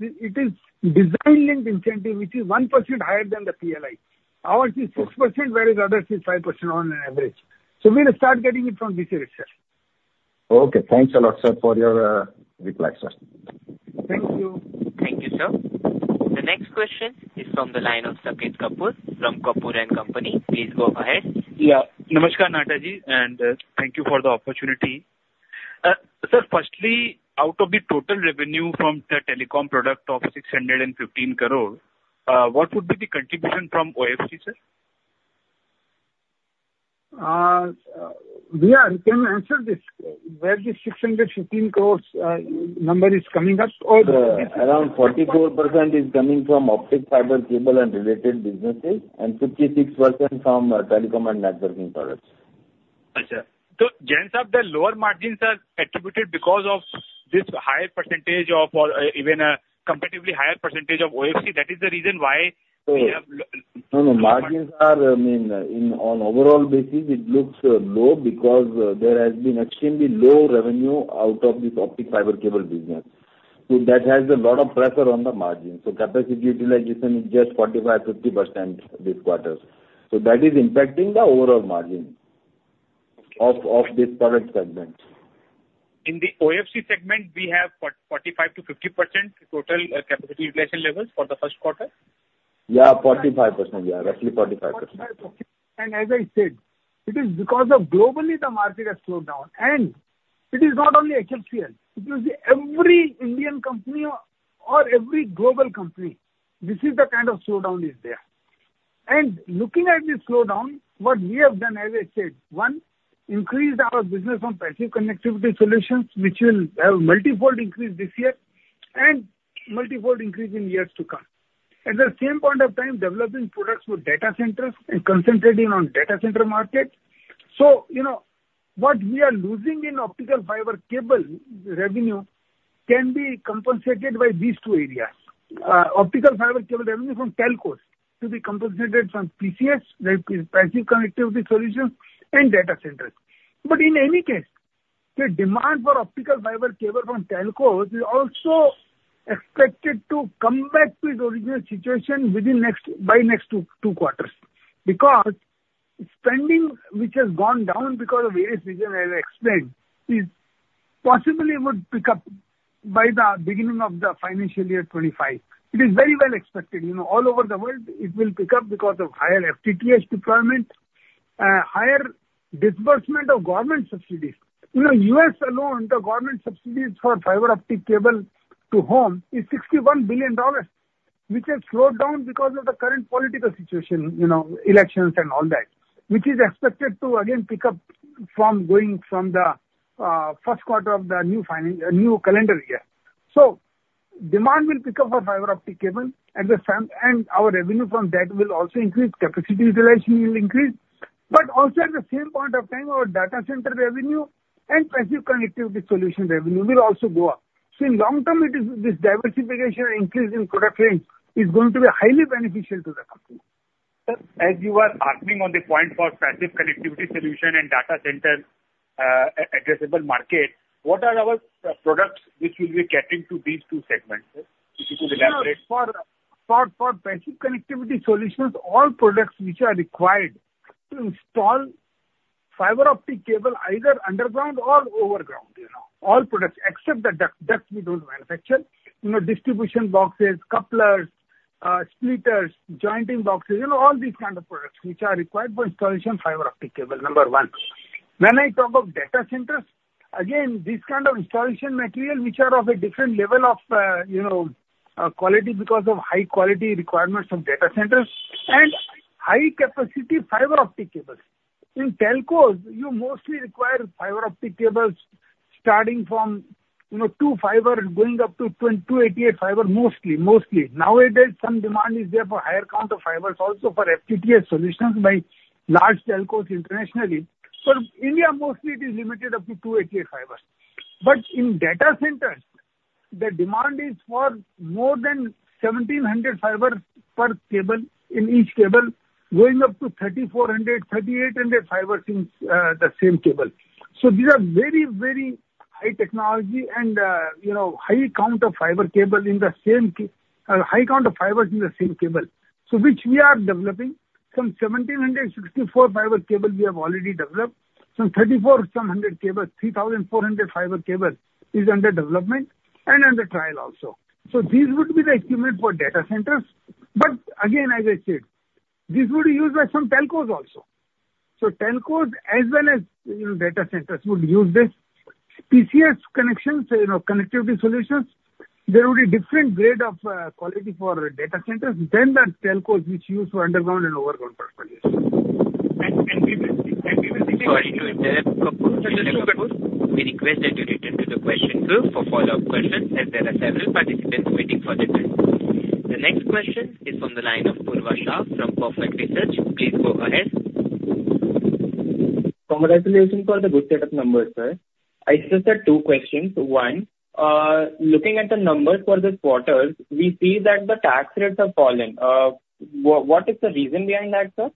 It is Design Linked Incentive, which is 1% higher than the PLI. Ours is 6%, whereas others is 5% on an average. So we will start getting it from this year itself. Okay. Thanks a lot, sir, for your reply, sir. Thank you. Thank you, sir. The next question is from the line of Sanket Kapoor from Kapoor & Company. Please go ahead. Yeah. Namaskar, Nahataji, and thank you for the opportunity. Sir, firstly, out of the total revenue from the telecom product of 615 crore, what would be the contribution from OFC, sir? We can answer this. Where this 615 crore number is coming up? Around 44% is coming from optical fiber cable and related businesses and 56% from telecom and networking products. Ajay. So Jain Sahib, the lower margins are attributed because of this higher percentage of or even a competitively higher percentage of OFC. That is the reason why we have. No, no. Margins are, I mean, on overall basis, it looks low because there has been extremely low revenue out of this optical fiber cable business. So that has a lot of pressure on the margin. So capacity utilization is just 45%-50% this quarter. So that is impacting the overall margin of this product segment. In the OFC segment, we have 45%-50% total capacity utilization levels for the Q1? Yeah, 45%. Yeah, roughly 45%. And as I said, it is because of globally the market has slowed down. And it is not only HFCL. It will be every Indian company or every global company. This is the kind of slowdown is there. And looking at this slowdown, what we have done, as I said, one, increase our business on passive connectivity solutions, which will have multi-fold increase this year and multi-fold increase in years to come. At the same point of time, developing products for data centers and concentrating on data center market. So what we are losing in optical fiber cable revenue can be compensated by these two areas. Optical fiber cable revenue from telcos to be compensated from PCS, that is passive connectivity solutions and data centers. But in any case, the demand for optical fiber cable from telcos is also expected to come back to its original situation by next Q2 because spending, which has gone down because of various reasons, as I explained, is possibly would pick up by the beginning of the financial year 2025. It is very well expected. All over the world, it will pick up because of higher FTTH deployment, higher disbursement of government subsidies. In the US alone, the government subsidies for fiber optic cable to home is $61 billion, which has slowed down because of the current political situation, elections and all that, which is expected to again pick up from going from the Q1 of the new calendar year. So demand will pick up for fiber optic cable, and our revenue from that will also increase. Capacity utilization will increase. But also at the same point of time, our data center revenue and passive connectivity solution revenue will also go up. So in long term, this diversification increase in product range is going to be highly beneficial to the company. Sir, as you are arguing on the point for passive connectivity solution and data center addressable market, what are our products which will be catering to these two segments? If you could elaborate. For Passive Connectivity Solutions, all products which are required to install fiber optic cable either underground or overground. All products, except the ducts we don't manufacture, distribution boxes, couplers, splitters, jointing boxes, all these kinds of products which are required for installation fiber optic cable, number one. When I talk of data centers, again, these kinds of installation material which are of a different level of quality because of high-quality requirements of data centers and high-capacity fiber optic cables. In telcos, you mostly require fiber optic cables starting from two fiber going up to 288 fiber, mostly. Nowadays, some demand is there for higher count of fibers also for FTTH solutions by large telcos internationally. But India, mostly, it is limited up to 288 fiber. But in data centers, the demand is for more than 1,700 fibers per cable in each cable going up to 3,400, 3,800 fibers in the same cable. So these are very, very high technology and high count of fiber cable in the same high count of fibers in the same cable, which we are developing. Some 1,764 fiber cable we have already developed. Some 3,400 cable, 3,400 fiber cable is under development and under trial also. So these would be the equipment for data centers. But again, as I said, this would be used by some telcos also. So telcos, as well as data centers, would use this. PCS connections, connectivity solutions, there would be different grade of quality for data centers than the telcos which use for underground and overground purposes. And we will see. Sorry to interrupt. We request that you return to the question queue for follow-up questions as there are several participants waiting for the turn. The next question is from the line of Purva Shah from Perfect Research. Please go ahead. Congratulations for the good set of numbers, sir. I still have two questions. One, looking at the numbers for this quarter, we see that the tax rates have fallen. What is the reason behind that, sir?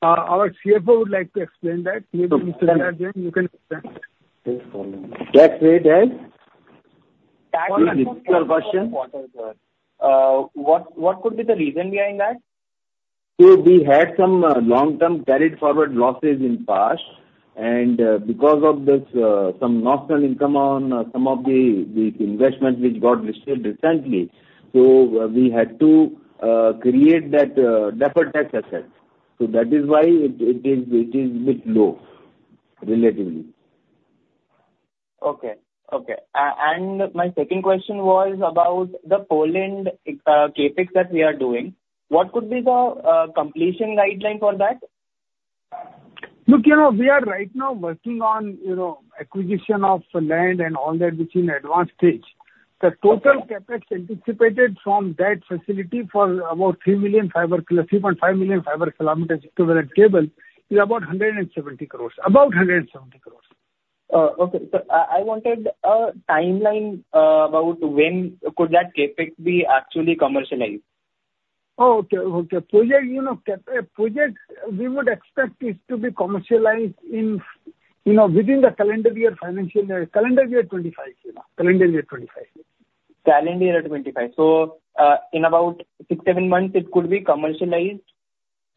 Our CFO would like to explain that. Maybe Mr. V. R. Jain, you can explain. Tax rate has fallen. What could be the reason behind that? So we had some long-term carried forward losses in past. And because of some non-strategic income on some of the investments which got listed recently, so we had to create that deferred tax asset. So that is why it is a bit low, relatively. Okay. Okay. My second question was about the Poland Capex that we are doing. What could be the completion guideline for that? Look, we are right now working on acquisition of land and all that, which is in advanced stage. The total Capex anticipated from that facility for about 3.5 million fiber kilometers equivalent cable is about 170 crore. About 170 crore. Okay. So I wanted a timeline about when could that Capex be actually commercialized? Oh, okay. Okay. Project we would expect is to be commercialized within the calendar year 2025. Calendar year 2025. Calendar year 2025. So in about six, seven months, it could be commercialized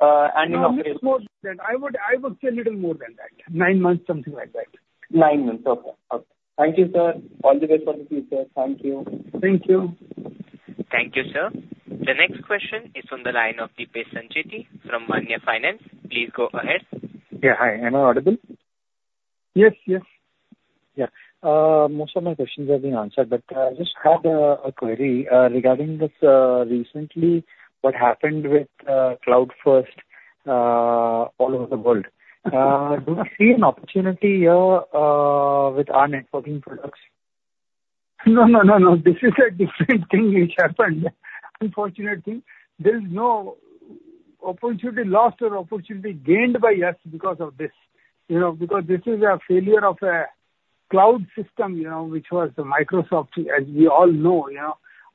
and in operation. I would say a little more than that. Nine months, something like that. Nine months. Okay. Okay. Thank you, sir. All the best for the future. Thank you. Thank you. Thank you, sir. The next question is from the line of Dipesh Sancheti from Manya Finance. Please go ahead. Yeah. Hi. Am I audible? Yes. Yes. Yeah. Most of my questions are being answered, but I just had a query regarding this recently, what happened with CrowdStrike all over the world. Do we see an opportunity here with our networking products? No, no, no, no. This is a different thing which happened. Unfortunate thing. There is no opportunity lost or opportunity gained by us because of this. Because this is a failure of a cloud system, which was Microsoft, as we all know.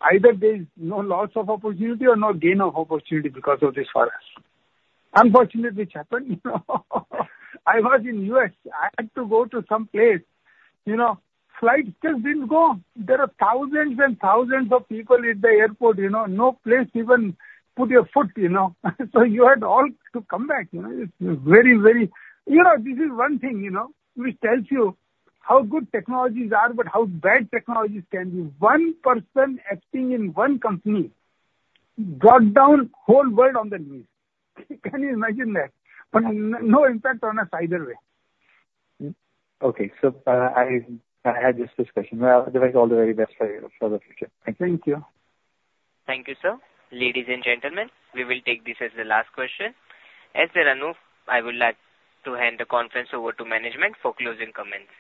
Either there is no loss of opportunity or no gain of opportunity because of this for us. Unfortunate which happened. I was in the U.S. I had to go to some place. Flights just didn't go. There are thousands and thousands of people at the airport. No place to even put your foot. So you all had to come back. It's very, very, this is one thing which tells you how good technologies are, but how bad technologies can be. One person acting in one company brought down the whole world on their knees. Can you imagine that? But no impact on us either way. Okay. So I had this discussion. Well, I'll wish all the very best for the future. Thank you. Thank you. Thank you, sir. Ladies and gentlemen, we will take this as the last question. As there are no, I would like to hand the conference over to management for closing comments.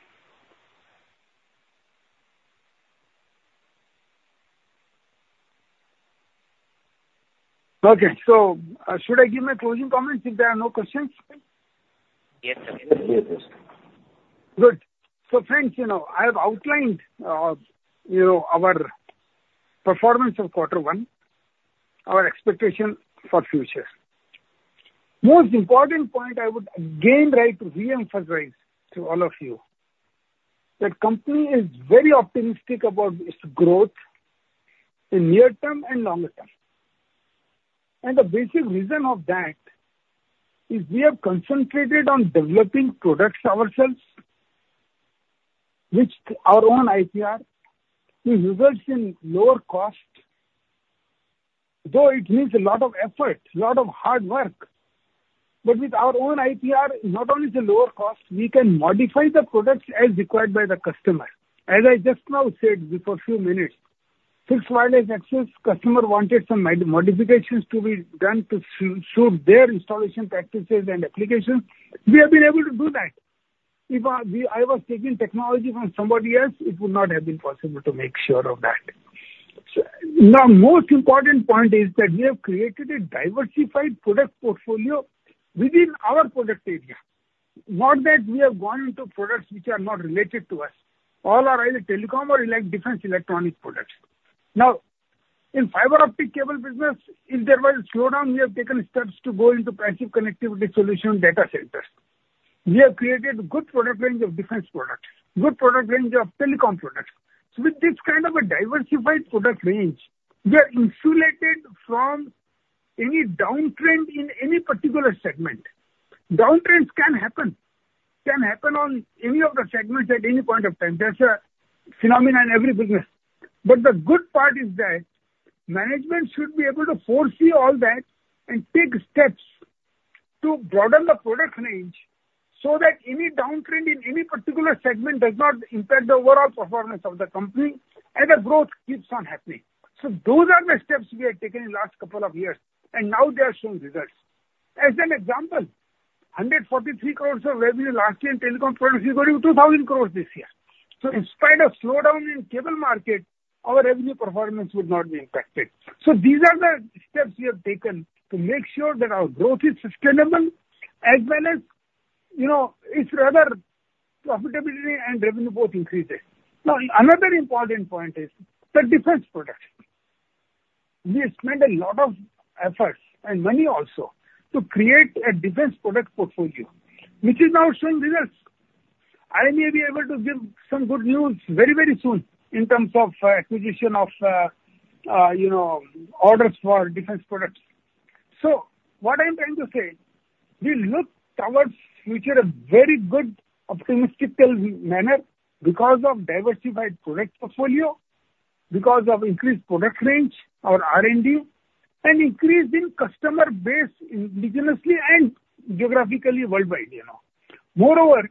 Okay. So should I give my closing comments if there are no questions? Yes, sir. Yes, yes, yes. Good. So friends, I have outlined our performance of Q1, our expectation for future. Most important point I would again like to re-emphasize to all of you that the company is very optimistic about its growth in near-term and longer-term. The basic reason of that is we have concentrated on developing products ourselves, which our own IPR, which results in lower cost, though it means a lot of effort, a lot of hard work. With our own IPR, not only the lower cost, we can modify the products as required by the customer. As I just now said before a few minutes, fixed wireless access, customer wanted some modifications to be done to suit their installation practices and applications. We have been able to do that. If I was taking technology from somebody else, it would not have been possible to make sure of that. Now, most important point is that we have created a diversified product portfolio within our product area. Not that we have gone into products which are not related to us. All are either telecom or electronic defense electronic products. Now, in fiber optic cable business, if there was a slowdown, we have taken steps to go into passive connectivity solution data centers. We have created good product range of defense products, good product range of telecom products. So with this kind of a diversified product range, we are insulated from any downtrend in any particular segment. Downtrends can happen. Can happen on any of the segments at any point of time. That's a phenomenon in every business. But the good part is that management should be able to foresee all that and take steps to broaden the product range so that any downtrend in any particular segment does not impact the overall performance of the company and the growth keeps on happening. So those are the steps we have taken in the last couple of years. Now they are showing results. As an example, INR 143 crore of revenue last year in telecom products is going to INR 2,000 crore this year. In spite of slowdown in cable market, our revenue performance would not be impacted. These are the steps we have taken to make sure that our growth is sustainable as well as its rather profitability and revenue both increases. Now, another important point is the defense products. We spend a lot of efforts and money also to create a defense product portfolio, which is now showing results. I may be able to give some good news very, very soon in terms of acquisition of orders for defense products. So what I'm trying to say, we look towards future a very good optimistic manner because of diversified product portfolio, because of increased product range, our R&D, and increased in customer base indigenously and geographically worldwide. Moreover,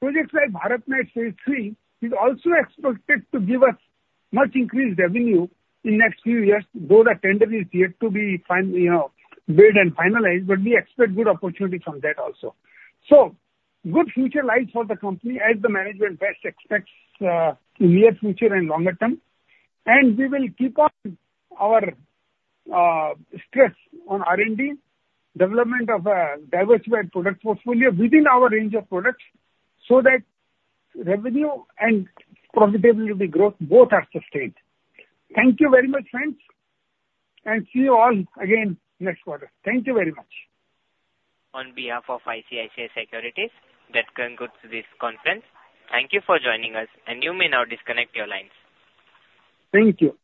projects like BharatNet Phase 3 is also expected to give us much increased revenue in the next few years, though the tender is yet to be bid and finalized, but we expect good opportunities from that also. So good future lies for the company as the management best expects in near future and longer term. And we will keep on our stress on R&D, development of a diversified product portfolio within our range of products so that revenue and profitability growth both are sustained. Thank you very much, friends. And see you all again next quarter. Thank you very much. On behalf of ICICI Securities, that concludes this conference. Thank you for joining us, and you may now disconnect your lines. Thank you.